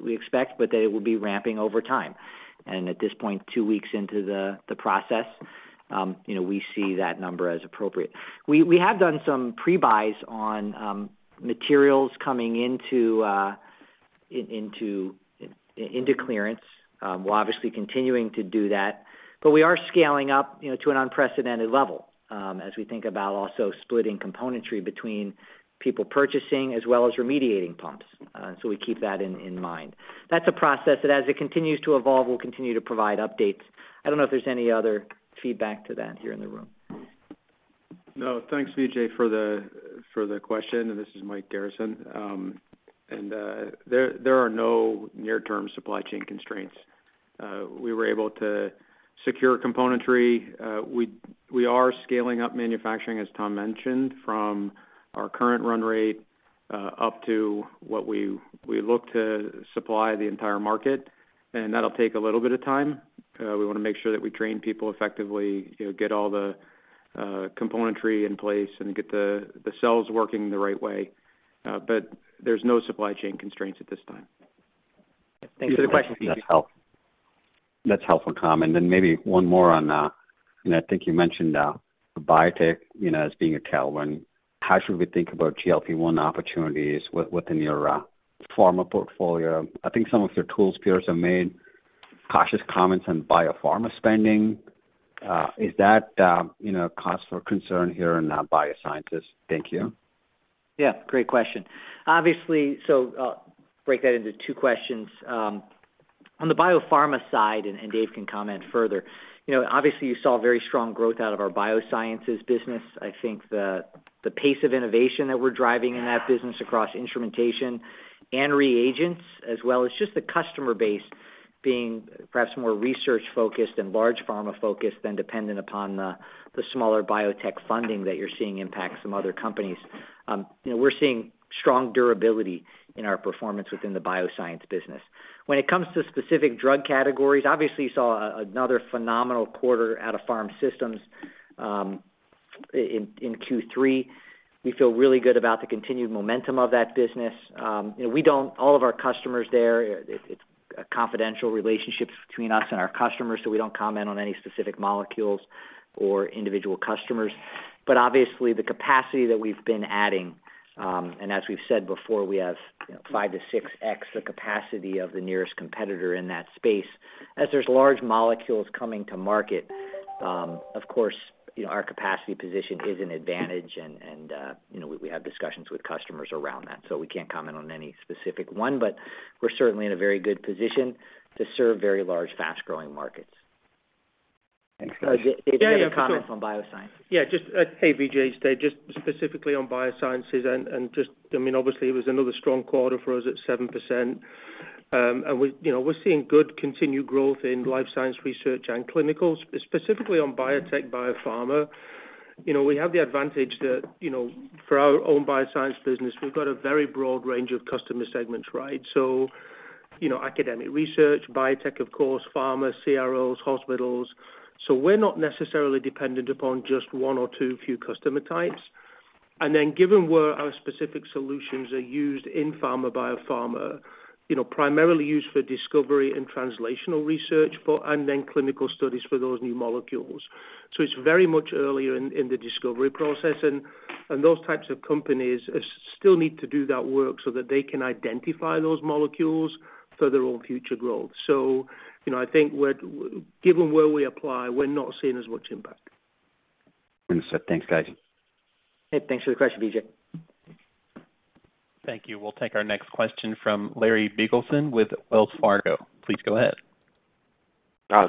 we expect, but that it will be ramping over time. At this point, 2 weeks into the, the process, you know, we see that number as appropriate. We, we have done some pre-buys on materials coming into clearance. We're obviously continuing to do that, but we are scaling up, you know, to an unprecedented level, as we think about also splitting componentry between people purchasing as well as remediating pumps. We keep that in, in mind. That's a process that, as it continues to evolve, we'll continue to provide updates. I don't know if there's any other feedback to that here in the room. No. Thanks, Vijay, for the, for the question, and this is Mike Garrison. There, there are no near-term supply chain constraints. We were able to secure componentry. We, we are scaling up manufacturing, as Tom mentioned, from our current run rate, up to what we, we look to supply the entire market, and that'll take a little bit of time. We wanna make sure that we train people effectively, you know, get all the componentry in place and get the, the cells working the right way. There's no supply chain constraints at this time. Thanks for the question, Vijay. That's helpful. That's helpful, Tom. Then maybe one more on, and I think you mentioned, biotech, you know, as being a tailwind. How should we think about GLP-1 opportunities within your pharma portfolio? I think some of your tools peers have made cautious comments on biopharma spending. Is that, you know, cause for concern here in biosciences? Thank you. Yeah, great question. Obviously. I'll break that into two questions. On the biopharma side, and, and Dave can comment further, you know, obviously, you saw very strong growth out of our BD Biosciences business. I think the, the pace of innovation that we're driving in that business across instrumentation and reagents, as well as just the customer base being perhaps more research-focused and large pharma-focused than dependent upon the, the smaller biotech funding that you're seeing impact some other companies. You know, we're seeing strong durability in our performance within the BD Biosciences business. When it comes to specific drug categories, obviously, you saw another phenomenal quarter out of Pharm Systems in Q3. We feel really good about the continued momentum of that business. You know, we don't-- all of our customers there, it, it's a confidential relationships between us and our customers, so we don't comment on any specific molecules or individual customers. But obviously, the capacity that we've been adding, and as we've said before, we have, you know, 5x-6x the capacity of the nearest competitor in that space. As there's large molecules coming to market, of course, you know, our capacity position is an advantage, and, and, you know, we, we have discussions with customers around that. We can't comment on any specific one, but we're certainly in a very good position to serve very large, fast-growing markets. Thanks, Vijay. Dave, any comments on Biosciences? Yeah, just. Hey, Vijay, it's Dave. Just specifically on Biosciences and just, I mean, obviously, it was another strong quarter for us at 7%. We, you know, we're seeing good continued growth in life science research and clinicals. Specifically on biotech, biopharma, you know, we have the advantage that, you know, for our own Biosciences business, we've got a very broad range of customer segments, right? You know, academic research, biotech, of course, pharma, CROs, hospitals. We're not necessarily dependent upon just one or two few customer types. Given where our specific solutions are used in pharma, biopharma, you know, primarily used for discovery and translational research, and then clinical studies for those new molecules. It's very much earlier in the discovery process, and those types of companies still need to do that work so that they can identify those molecules for their own future growth. You know, I think we're given where we apply, we're not seeing as much impact. Understood. Thanks, guys. Hey, thanks for the question, Vijay. Thank you. We'll take our next question from Larry Biegelsen with Wells Fargo. Please go ahead.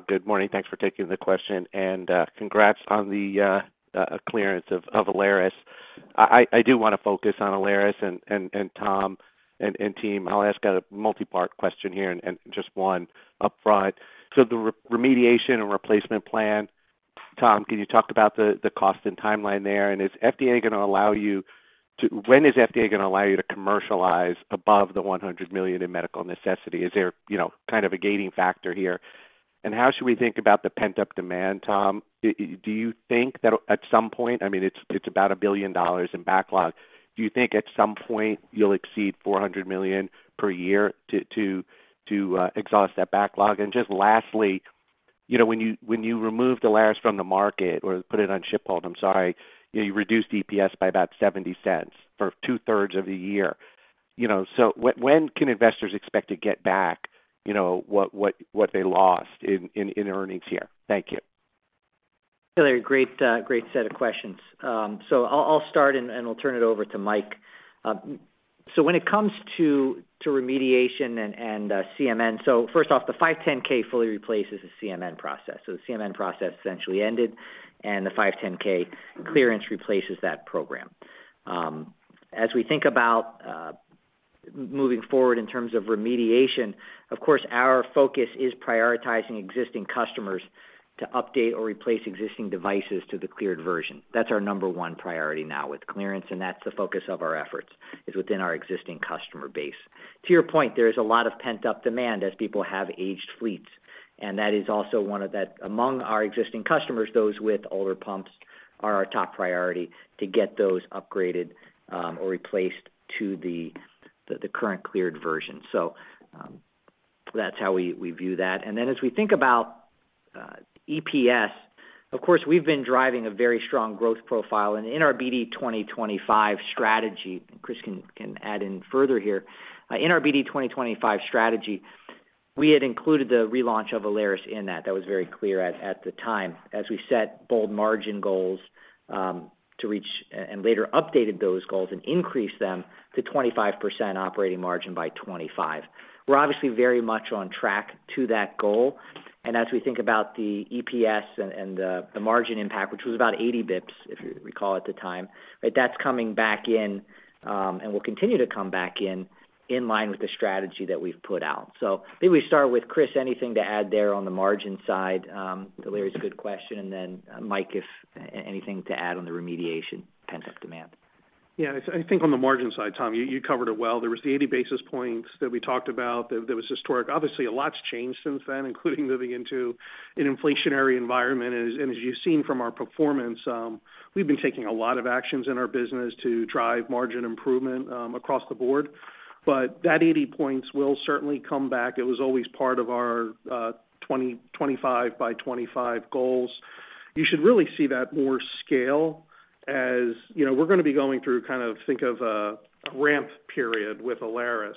Good morning. Thanks for taking the question, and congrats on the clearance of BD Alaris. I do want to focus on BD Alaris and Tom and team. I'll ask a multipart question here and just one upfront. The remediation and replacement plan, Tom, can you talk about the cost and timeline there? Is FDA going to allow you to when is FDA going to allow you to commercialize above the $100 million in medical necessity? Is there, you know, kind of a gating factor here? How should we think about the pent-up demand, Tom? Do you think that at some point, I mean, it's about a $1 billion in backlog. Do you think at some point you'll exceed $400 million per year to exhaust that backlog? Just lastly, you know, when you, when you remove Alaris from the market or put it on ship hold, I'm sorry, you know, you reduced EPS by about $0.70 for two-thirds of the year. You know, so when can investors expect to get back, you know, what, what, what they lost in, in, in earnings here? Thank you. Hey, Larry, great, great set of questions. I'll, I'll start, and, and I'll turn it over to Mike. When it comes to, to remediation and, and CMN, first off, the 510 fully replaces the CMN process. The CMN process essentially ended, and the 510 clearance replaces that program. As we think about moving forward in terms of remediation, of course, our focus is prioritizing existing customers to update or replace existing devices to the cleared version. That's our number one priority now with clearance, and that's the focus of our efforts, is within our existing customer base. To your point, there is a lot of pent-up demand as people have aged fleets, and that is also one of that... Among our existing customers, those with older pumps are our top priority to get those upgraded, or replaced to the current cleared version. That's how we view that. As we think about EPS, of course, we've been driving a very strong growth profile, and in our BD 2025 strategy, Chris can add in further here. In our BD 2025 strategy, we had included the relaunch of Alaris in that. That was very clear at the time, as we set bold margin goals to reach, and later updated those goals and increased them to 25% operating margin by 2025. We're obviously very much on track to that goal. As we think about the EPS and the margin impact, which was about 80 basis points, if you recall at the time, right? That's coming back in, and will continue to come back in, in line with the strategy that we've put out. Maybe we start with Chris, anything to add there on the margin side? Larry, it's a good question. Mike, if anything to add on the remediation, pent-up demand? Yeah, I, I think on the margin side, Tom, you, you covered it well. There was the 80 basis points that we talked about, that there was historic. Obviously, a lot's changed since then, including moving into an inflationary environment. As, and as you've seen from our performance, we've been taking a lot of actions in our business to drive margin improvement across the board. That 80 points will certainly come back. It was always part of our 2025 by 25 goals. You should really see that more scale as, you know, we're going to be going through kind of, think of a, a ramp period with Alaris.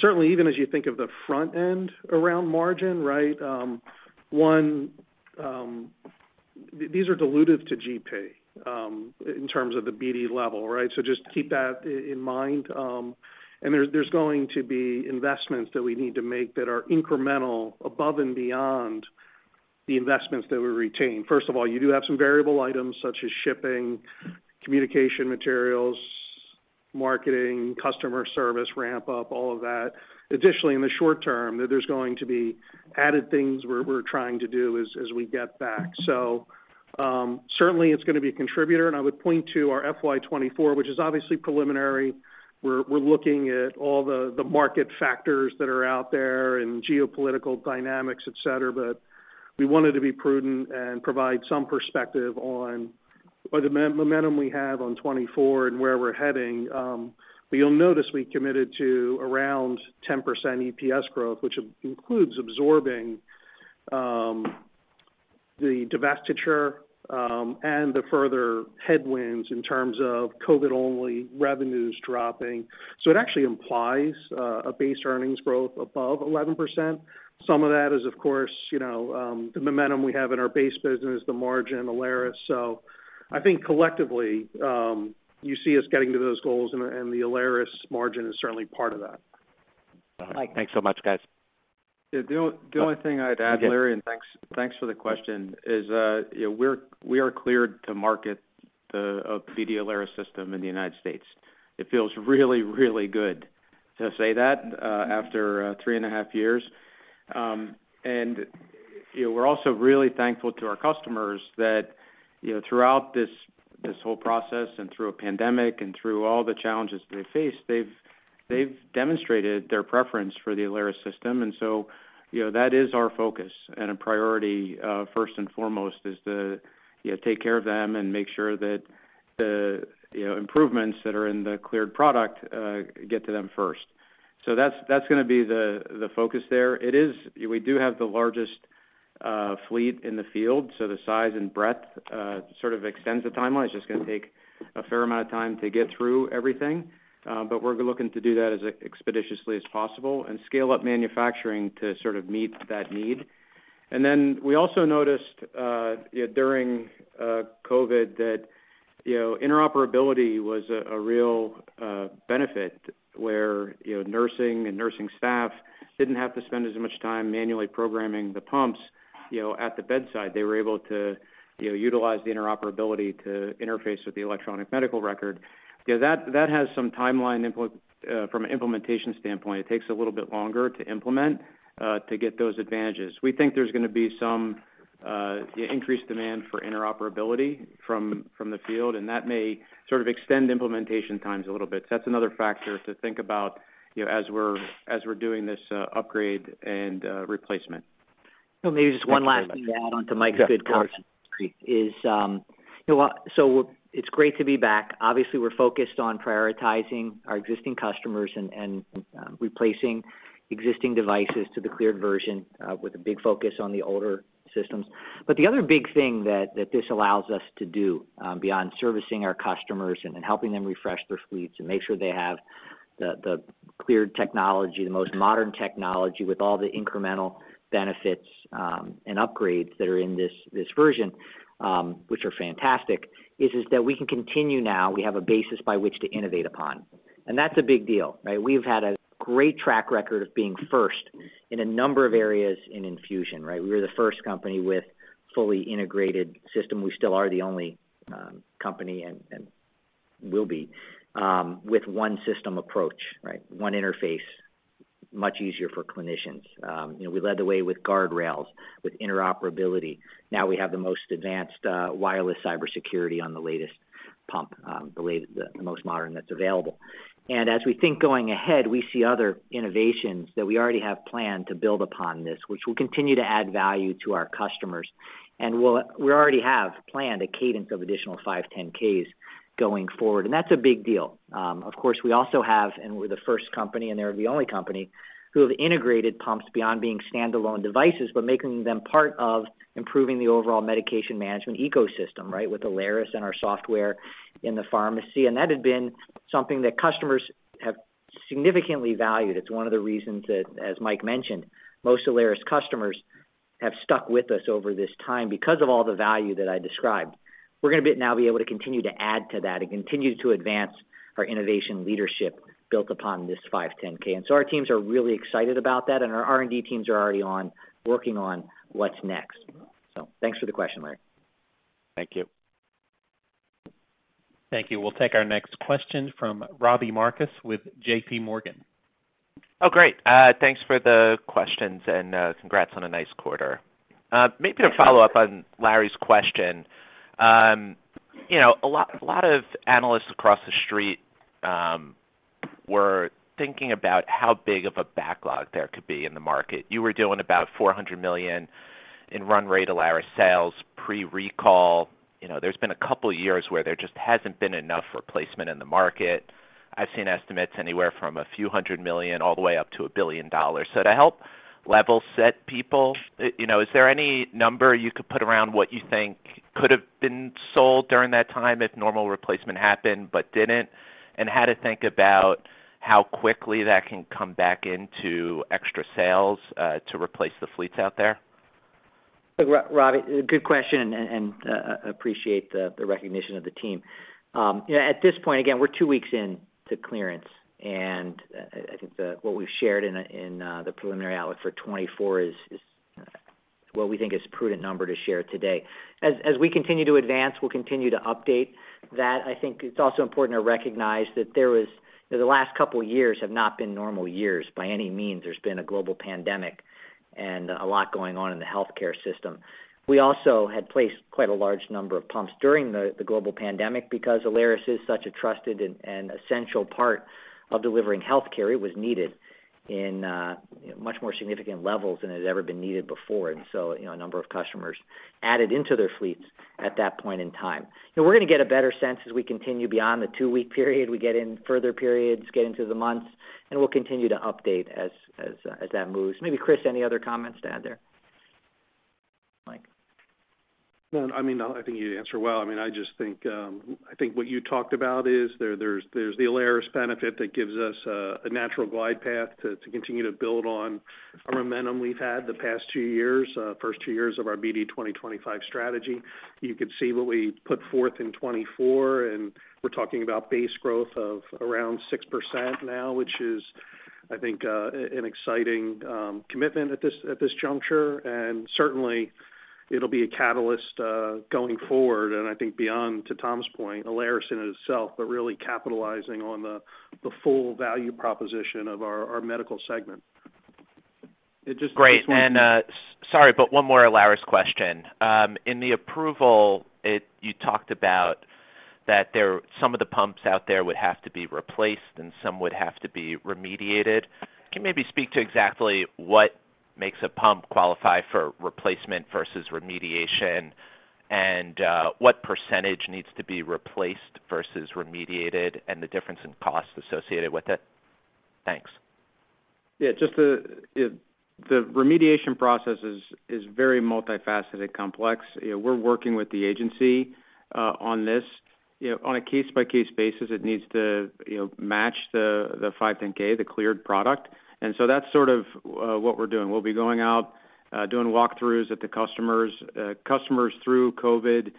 Certainly, even as you think of the front end around margin, right? One, these are dilutive to GP in terms of the BD level, right? Just keep that in mind. And there's, there's going to be investments that we need to make that are incremental above and beyond the investments that we retain. First of all, you do have some variable items such as shipping, communication materials, marketing, customer service, ramp up, all of that. Additionally, in the short term, there's going to be added things we're, we're trying to do as, as we get back. Certainly, it's going to be a contributor, and I would point to our FY 2024, which is obviously preliminary. We're, we're looking at all the, the market factors that are out there and geopolitical dynamics, et cetera, but we wanted to be prudent and provide some perspective on... The momentum we have on 2024 and where we're heading, you'll notice we committed to around 10% EPS growth, which includes absorbing the divestiture and the further headwinds in terms of COVID-only revenues dropping. It actually implies a base earnings growth above 11%. Some of that is, of course, you know, the momentum we have in our base business, the margin Alaris. I think collectively, you see us getting to those goals, and the Alaris margin is certainly part of that. Mike. Thanks so much, guys. Yeah, the only thing I'd add, Larry, thanks, thanks for the question, is, you know, we are cleared to market the Alaris system in the United States. It feels really, really good to say that, after 3.5 years. You know, we're also really thankful to our customers that, you know, throughout this, this whole process and through a pandemic and through all the challenges they faced, they've, they've demonstrated their preference for the Alaris system. You know, that is our focus and a priority, first and foremost, is to, you know, take care of them and make sure that the, you know, improvements that are in the cleared product, get to them first. That's, that's gonna be the, the focus there. It is. We do have the largest fleet in the field, so the size and breadth sort of extends the timeline. It's just gonna take a fair amount of time to get through everything, but we're looking to do that as expeditiously as possible and scale up manufacturing to sort of meet that need. We also noticed, you know, during COVID that, you know, interoperability was a real benefit, where, you know, nursing and nursing staff didn't have to spend as much time manually programming the pumps, you know, at the bedside. They were able to, you know, utilize the interoperability to interface with the electronic medical record. You know, that, that has some timeline input from an implementation standpoint. It takes a little bit longer to implement to get those advantages. We think there's gonna be some, increased demand for interoperability from, from the field, and that may sort of extend implementation times a little bit. That's another factor to think about, you know, as we're, as we're doing this, upgrade and, replacement. Well, maybe just one last thing to add on to Mike's good comments is, you know, it's great to be back. Obviously, we're focused on prioritizing our existing customers and, and, replacing existing devices to the cleared version with a big focus on the older systems. The other big thing that, that this allows us to do, beyond servicing our customers and then helping them refresh their fleets and make sure they have the, the cleared technology, the most modern technology with all the incremental benefits and upgrades that are in this, this version, which are fantastic, is, is that we can continue now. We have a basis by which to innovate upon, that's a big deal, right? We've had a great track record of being first in a number of areas in infusion, right? We were the first company with fully integrated system. We still are the only company and will be with one system approach, right? One interface, much easier for clinicians. You know, we led the way with guardrails, with interoperability. Now we have the most advanced wireless cybersecurity on the latest pump, the most modern that's available. As we think going ahead, we see other innovations that we already have planned to build upon this, which will continue to add value to our customers. We already have planned a cadence of additional 510(k)s going forward, and that's a big deal. Of course, we also have, we're the first company, and they're the only company, who have integrated pumps beyond being standalone devices, but making them part of improving the overall medication management ecosystem, right? With Alaris and our software in the pharmacy, and that had been something that customers have significantly valued. It's one of the reasons that, as Mike mentioned, most Alaris customers have stuck with us over this time because of all the value that I described. We're gonna now be able to continue to add to that and continue to advance our innovation leadership built upon this 510(k). Our teams are really excited about that, and our R&D teams are already working on what's next. Thanks for the question, Larry. Thank you. Thank you. We'll take our next question from Robbie Marcus with JPMorgan. Oh, great. Thanks for the questions, congrats on a nice quarter. Maybe to follow up on Larry's question, you know, a lot, a lot of analysts across the street were thinking about how big of a backlog there could be in the market. You were doing about $400 million in run rate Alaris sales pre-recall. You know, there's been a couple of years where there just hasn't been enough replacement in the market. I've seen estimates anywhere from a few hundred million all the way up to $1 billion. To help level set people, you know, is there any number you could put around what you think could have been sold during that time if normal replacement happened but didn't? How to think about how quickly that can come back into extra sales to replace the fleets out there? Look, Robbie, good question, and appreciate the recognition of the team. You know, at this point, again, we're two weeks in to clearance, and I think what we've shared in the preliminary outlook for 2024 is what we think is a prudent number to share today. As we continue to advance, we'll continue to update that. I think it's also important to recognize that there was. You know, the last couple of years have not been normal years by any means. There's been a global pandemic and a lot going on in the healthcare system. We also had placed quite a large number of pumps during the global pandemic because Alaris is such a trusted and essential part of delivering healthcare. It was needed in much more significant levels than it had ever been needed before. And so, you know, a number of customers added into their fleets at that point in time. So we're gonna get a better sense as we continue beyond the 2-week period. We get in further periods, get into the months, and we'll continue to update as, as that moves. Maybe, Chris, any other comments to add there? No, I mean, I think you answered well. I mean, I just think, I think what you talked about is there, there's, there's the Alaris benefit that gives us a, a natural glide path to, to continue to build on a momentum we've had the past 2 years, first 2 years of our BD 2025 strategy. You could see what we put forth in 2024, and we're talking about base growth of around 6% now, which is, I think, an exciting commitment at this, at this juncture. Certainly, it'll be a catalyst going forward. I think beyond, to Tom's point, Alaris in itself, but really capitalizing on the, the full value proposition of our, our Medical Segment. Great. Sorry, but one more Alaris question. In the approval, it-- you talked about that there-- some of the pumps out there would have to be replaced and some would have to be remediated. Can you maybe speak to exactly what makes a pump qualify for replacement versus remediation? What percentage needs to be replaced versus remediated and the difference in cost associated with it? Thanks. Yeah, just the remediation process is very multifaceted and complex. You know, we're working with the agency, on this. You know, on a case-by-case basis, it needs to, you know, match the 510(k), the cleared product. So that's sort of what we're doing. We'll be going out, doing walkthroughs at the customers. Customers through COVID,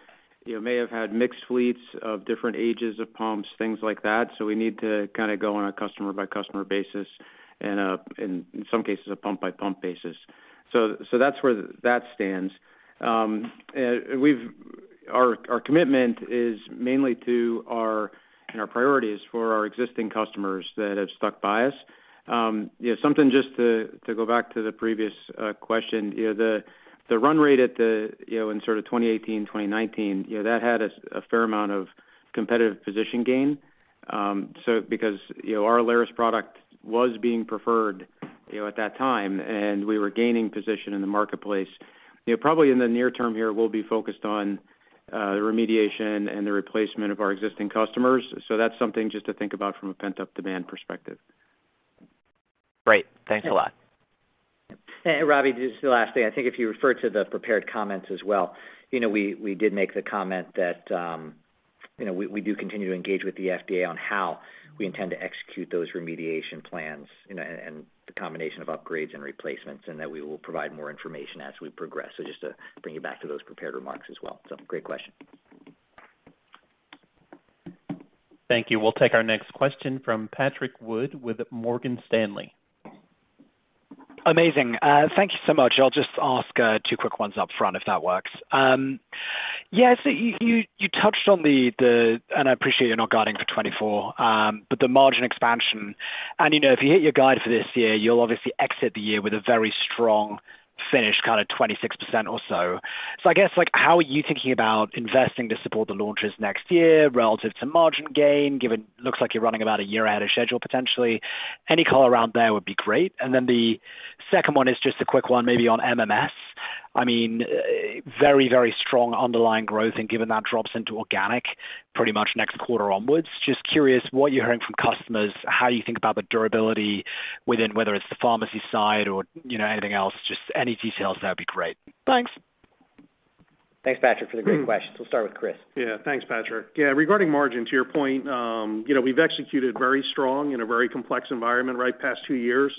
you know, may have had mixed fleets of different ages of pumps, things like that. We need to kind of go on a customer-by-customer basis and, in some cases, a pump-by-pump basis. So that's where that stands. Our, our commitment is mainly to our, and our priorities for our existing customers that have stuck by us. Something just to, to go back to the previous question, the run rate at the, in sort of 2018, 2019, that had a fair amount of competitive position gain. Because our Alaris was being preferred at that time, and we were gaining position in the marketplace. Probably in the near term here, we'll be focused on the remediation and the replacement of our existing customers. That's something just to think about from a pent-up demand perspective. Great. Thanks a lot. Robbie, just the last thing. I think if you refer to the prepared comments as well, you know, we, we did make the comment that, you know, we, we do continue to engage with the FDA on how we intend to execute those remediation plans, you know, and, and the combination of upgrades and replacements, and that we will provide more information as we progress. Just to bring you back to those prepared remarks as well. Great question. Thank you. We'll take our next question from Patrick Wood with Morgan Stanley. Amazing. Thank you so much. I'll just ask two quick ones up front, if that works. Yeah, so you, you, you touched on the, the... I appreciate you're not guiding for 2024, but the margin expansion. You know, if you hit your guide for this year, you'll obviously exit the year with a very strong finish, kind of 26% or so. I guess, like, how are you thinking about investing to support the launches next year relative to margin gain, given looks like you're running about a year ahead of schedule, potentially? Any color around there would be great. The second one is just a quick one, maybe on MMS. I mean, very, very strong underlying growth, given that drops into organic pretty much next quarter onwards. Just curious what you're hearing from customers, how you think about the durability within, whether it's the pharmacy side or, you know, anything else. Just any details, that'd be great. Thanks. Thanks, Patrick, for the great questions. We'll start with Chris. Yeah. Thanks, Patrick. Yeah, regarding margin, to your point, you know, we've executed very strong in a very complex environment, right? Past 2 years,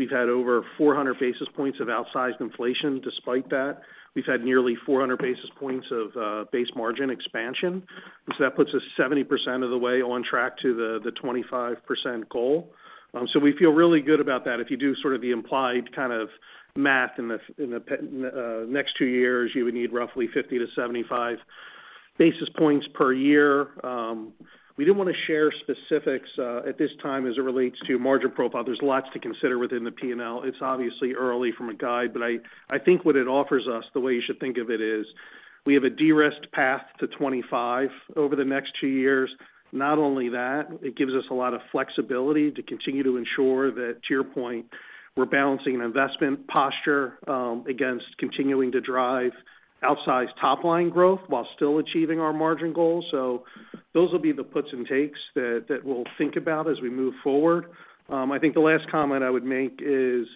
we've had over 400 basis points of outsized inflation. Despite that, we've had nearly 400 basis points of base margin expansion. That puts us 70% of the way on track to the 25% goal. We feel really good about that. If you do sort of the implied kind of math in the next 2 years, you would need roughly 50-75 basis points per year. We didn't want to share specifics at this time as it relates to margin profile. There's lots to consider within the P&L. It's obviously early from a guide, I, I think what it offers us, the way you should think of it, is we have a de-risked path to 25 over the next two years. Not only that, it gives us a lot of flexibility to continue to ensure that, to your point, we're balancing an investment posture against continuing to drive outsized top-line growth while still achieving our margin goals. Those will be the puts and takes that, that we'll think about as we move forward. I think the last comment I would make is,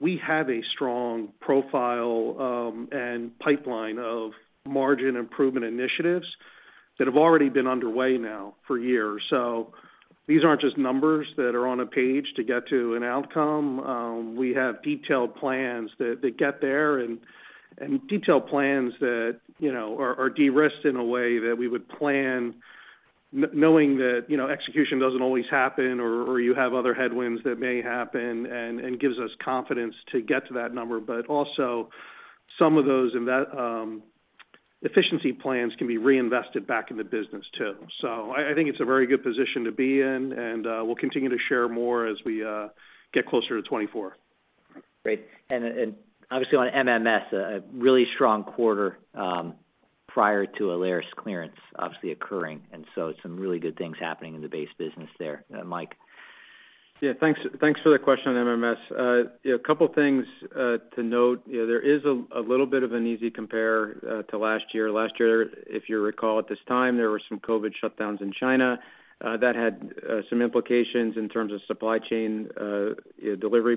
we have a strong profile and pipeline of margin improvement initiatives that have already been underway now for years. These aren't just numbers that are on a page to get to an outcome. We have detailed plans that, that get there and, and detailed plans that, you know, are, are de-risked in a way that we would plan knowing that, you know, execution doesn't always happen, or, or you have other headwinds that may happen, and, and gives us confidence to get to that number. Also, some of those inve- efficiency plans can be reinvested back in the business, too. I think it's a very good position to be in, and we'll continue to share more as we get closer to 2024. Great. Obviously on MMS, a really strong quarter, prior to Alaris clearance obviously occurring, and so some really good things happening in the base business there. Mike? Yeah, thanks, thanks for the question on MMS. You know, a couple things to note. You know, there is a little bit of an easy compare to last year. Last year, if you recall at this time, there were some COVID shutdowns in China, that had some implications in terms of supply chain delivery.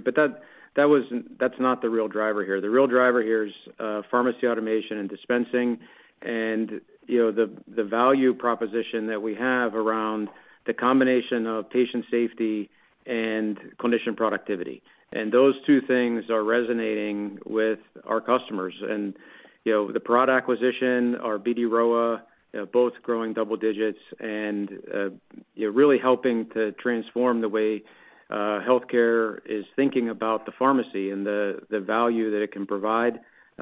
That's not the real driver here. The real driver here is pharmacy automation and dispensing, and, you know, the value proposition that we have around the combination of patient safety and clinician productivity. Those two things are resonating with our customers. You know, the product acquisition, our BD Rowa, both growing double digits and really helping to transform the way healthcare is thinking about the pharmacy and the, the value that it can provide,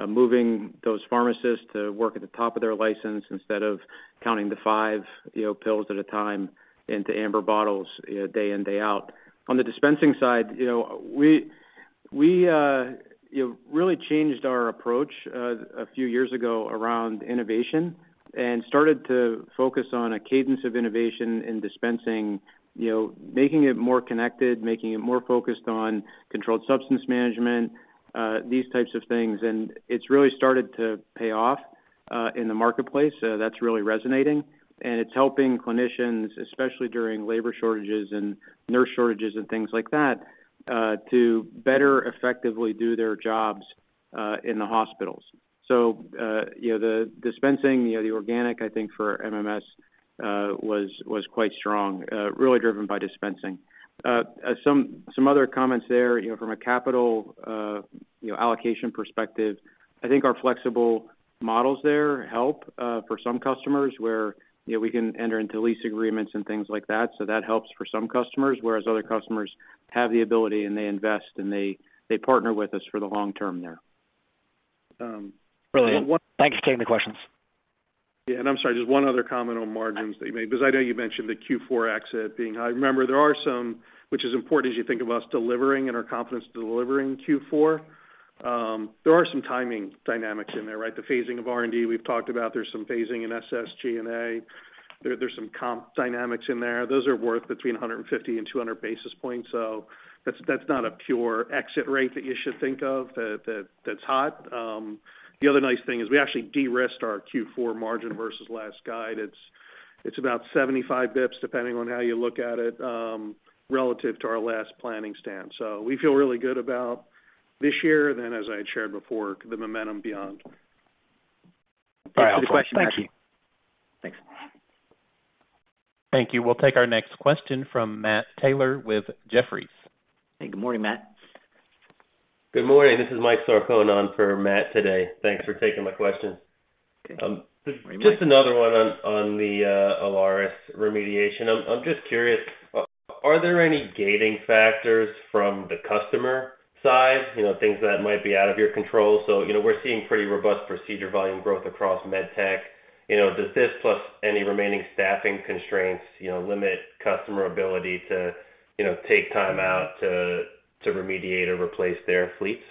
moving those pharmacists to work at the top of their license instead of counting the five, you know, pills at a time into amber bottles, day in, day out. On the dispensing side, you know, we, we, you know, really changed our approach a few years ago around innovation and started to focus on a cadence of innovation in dispensing, you know, making it more connected, making it more focused on controlled substance management, these types of things. It's really started to pay off in the marketplace. That's really resonating, and it's helping clinicians, especially during labor shortages and nurse shortages and things like that, to better effectively do their jobs in the hospitals. You know, the dispensing, you know, the organic, I think for MMS, was quite strong, really driven by dispensing. Some, some other comments there, you know, from a capital, you know, allocation perspective, I think our flexible models there help for some customers where, you know, we can enter into lease agreements and things like that. That helps for some customers, whereas other customers have the ability, and they invest, and they, they partner with us for the long term there. Brilliant. Thanks for taking the questions. Yeah, I'm sorry, just one other comment on margins that you made, because I know you mentioned the Q4 exit being high. Remember, there are some, which is important as you think about us delivering and our confidence delivering Q4. There are some timing dynamics in there, right? The phasing of R&D, we've talked about. There's some phasing in SG&A. There's some comp dynamics in there. Those are worth between 150 and 200 basis points. That's not a pure exit rate that you should think of, that's hot. The other nice thing is we actually de-risked our Q4 margin versus last guide. It's about 75 BPS, depending on how you look at it, relative to our last planning stance. We feel really good about this year, then, as I shared before, the momentum beyond. Yeah, I'll put the question back. Thank you. Thanks. Thank you. We'll take our next question from Matt Taylor with Jefferies. Hey, good morning, Matt. Good morning. This is Mike Sarcone for Matt today. Thanks for taking my questions. Good morning, Mike. Just another one on the Alaris remediation. I'm just curious, are there any gating factors from the customer side, you know, things that might be out of your control? You know, we're seeing pretty robust procedure volume growth across med tech. You know, does this plus any remaining staffing constraints, you know, limit customer ability to take time out to remediate or replace their fleets?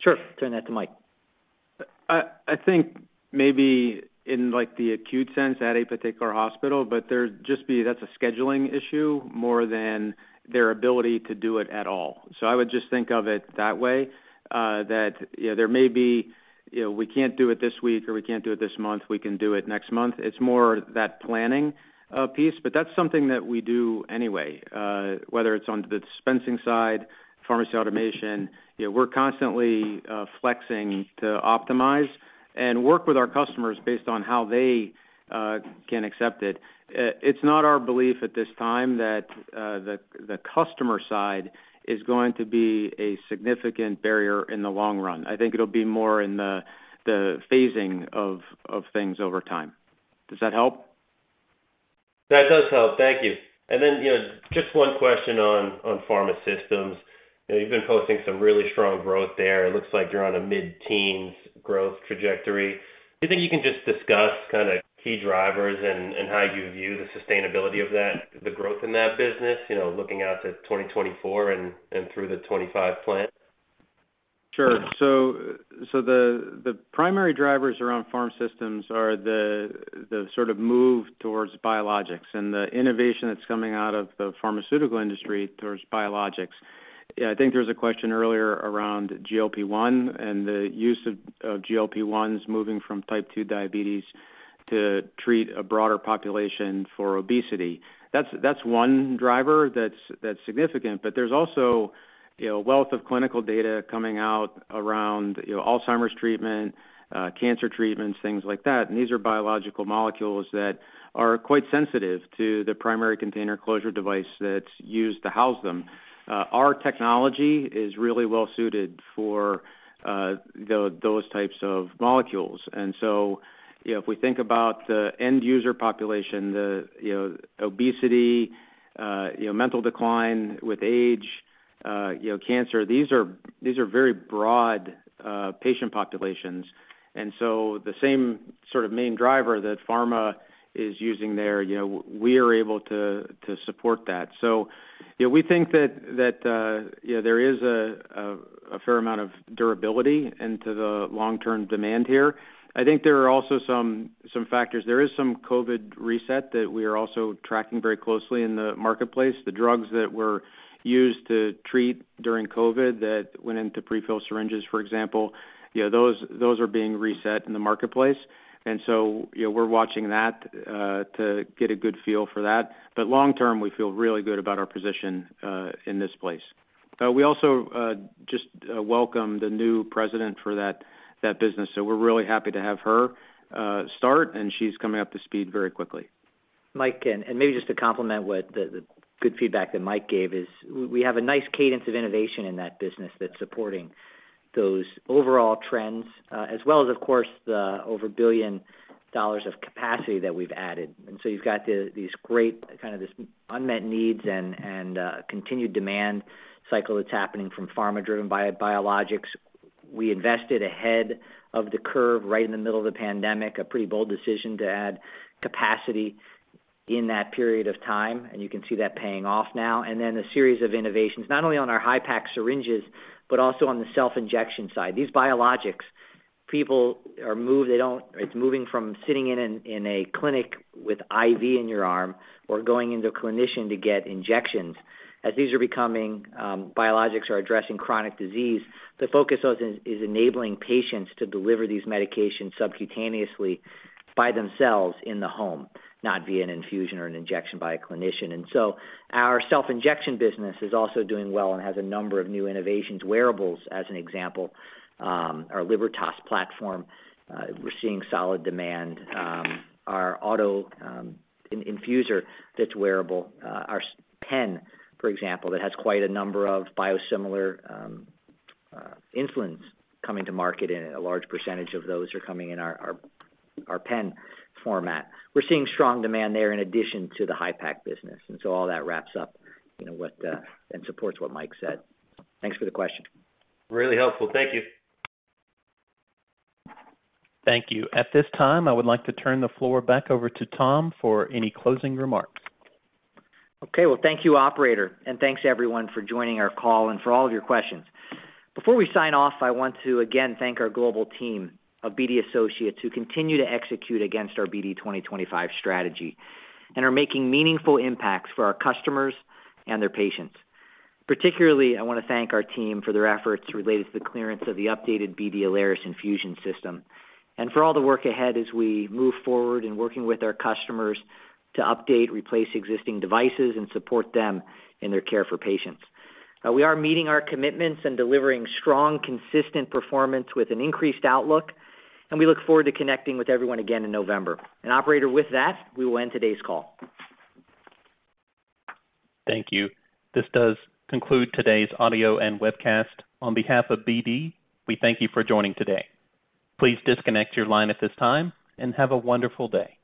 Sure. Turn that to Mike. I think maybe in, like, the acute sense at a particular hospital, but there's just that's a scheduling issue more than their ability to do it at all. I would just think of it that way, that, you know, there may be, you know, we can't do it this week, or we can't do it this month, we can do it next month. It's more that planning piece, but that's something that we do anyway, whether it's on the dispensing side, pharmacy automation. You know, we're constantly flexing to optimize and work with our customers based on how they can accept it. It's not our belief at this time that the, the customer side is going to be a significant barrier in the long run. I think it'll be more in the, the phasing of, of things over time. Does that help? That does help. Thank you. You know, just one question on Pharm Systems. You know, you've been posting some really strong growth there. It looks like you're on a mid-teens growth trajectory. Do you think you can just discuss kind of key drivers and, and how you view the sustainability of that, the growth in that business, you know, looking out to 2024 and, and through the 2025 plan? Sure. The primary drivers around Pharm Systems are the, the sort of move towards biologics and the innovation that's coming out of the pharmaceutical industry towards biologics. I think there was a question earlier around GLP-1 and the use of, of GLP-1s, moving from type two diabetes to treat a broader population for obesity. That's, that's one driver that's, that's significant, but there's also, you know, a wealth of clinical data coming out around, you know, Alzheimer's treatment, cancer treatments, things like that. These are biological molecules that are quite sensitive to the primary container closure device that's used to house them. Our technology is really well suited for those types of molecules. If we think about the end user population, the, you know, obesity, you know, mental decline with age,... You know, cancer, these are, these are very broad patient populations. The same sort of main driver that pharma is using there, you know, we are able to support that. You know, we think that, that, you know, there is a fair amount of durability into the long-term demand here. I think there are also some, some factors. There is some COVID reset that we are also tracking very closely in the marketplace. The drugs that were used to treat during COVID that went into prefill syringes, for example, you know, those, those are being reset in the marketplace. You know, we're watching that to get a good feel for that. Long term, we feel really good about our position in this place. We also just welcomed a new president for that, that business, so we're really happy to have her start, and she's coming up to speed very quickly. Mike, and maybe just to complement what the good feedback that Mike gave is, we have a nice cadence of innovation in that business that's supporting those overall trends, as well as, of course, the over $1 billion of capacity that we've added. You've got these great, kind of, this unmet needs and continued demand cycle that's happening from pharma-driven biologics. We invested ahead of the curve right in the middle of the pandemic, a pretty bold decision to add capacity in that period of time, and you can see that paying off now. A series of innovations, not only on our BD Hypak syringes, but also on the self-injection side. These biologics, people are moved-- they don't -- It's moving from sitting in an, in a clinic with IV in your arm or going into a clinician to get injections. As these are becoming biologics or addressing chronic disease, the focus of is, is enabling patients to deliver these medications subcutaneously by themselves in the home, not via an infusion or an injection by a clinician. So our self-injection business is also doing well and has a number of new innovations, wearables, as an example, our Libertas platform, we're seeing solid demand. Our Autoinjector, that's wearable. Our pen, for example, that has quite a number of biosimilar influence coming to market, and a large percentage of those are coming in our, our, our pen format. We're seeing strong demand there in addition to the Hypak business. All that wraps up, you know, what and supports what Mike said. Thanks for the question. Really helpful. Thank you. Thank you. At this time, I would like to turn the floor back over to Tom for any closing remarks. Okay, well, thank you, operator, and thanks everyone for joining our call and for all of your questions. Before we sign off, I want to again thank our global team of BD associates who continue to execute against our BD 2025 strategy and are making meaningful impacts for our customers and their patients. Particularly, I want to thank our team for their efforts related to the clearance of the updated BD Alaris infusion system and for all the work ahead as we move forward in working with our customers to update, replace existing devices and support them in their care for patients. We are meeting our commitments and delivering strong, consistent performance with an increased outlook, and we look forward to connecting with everyone again in November. Operator, with that, we will end today's call. Thank you. This does conclude today's audio and webcast. On behalf of BD, we thank you for joining today. Please disconnect your line at this time, and have a wonderful day.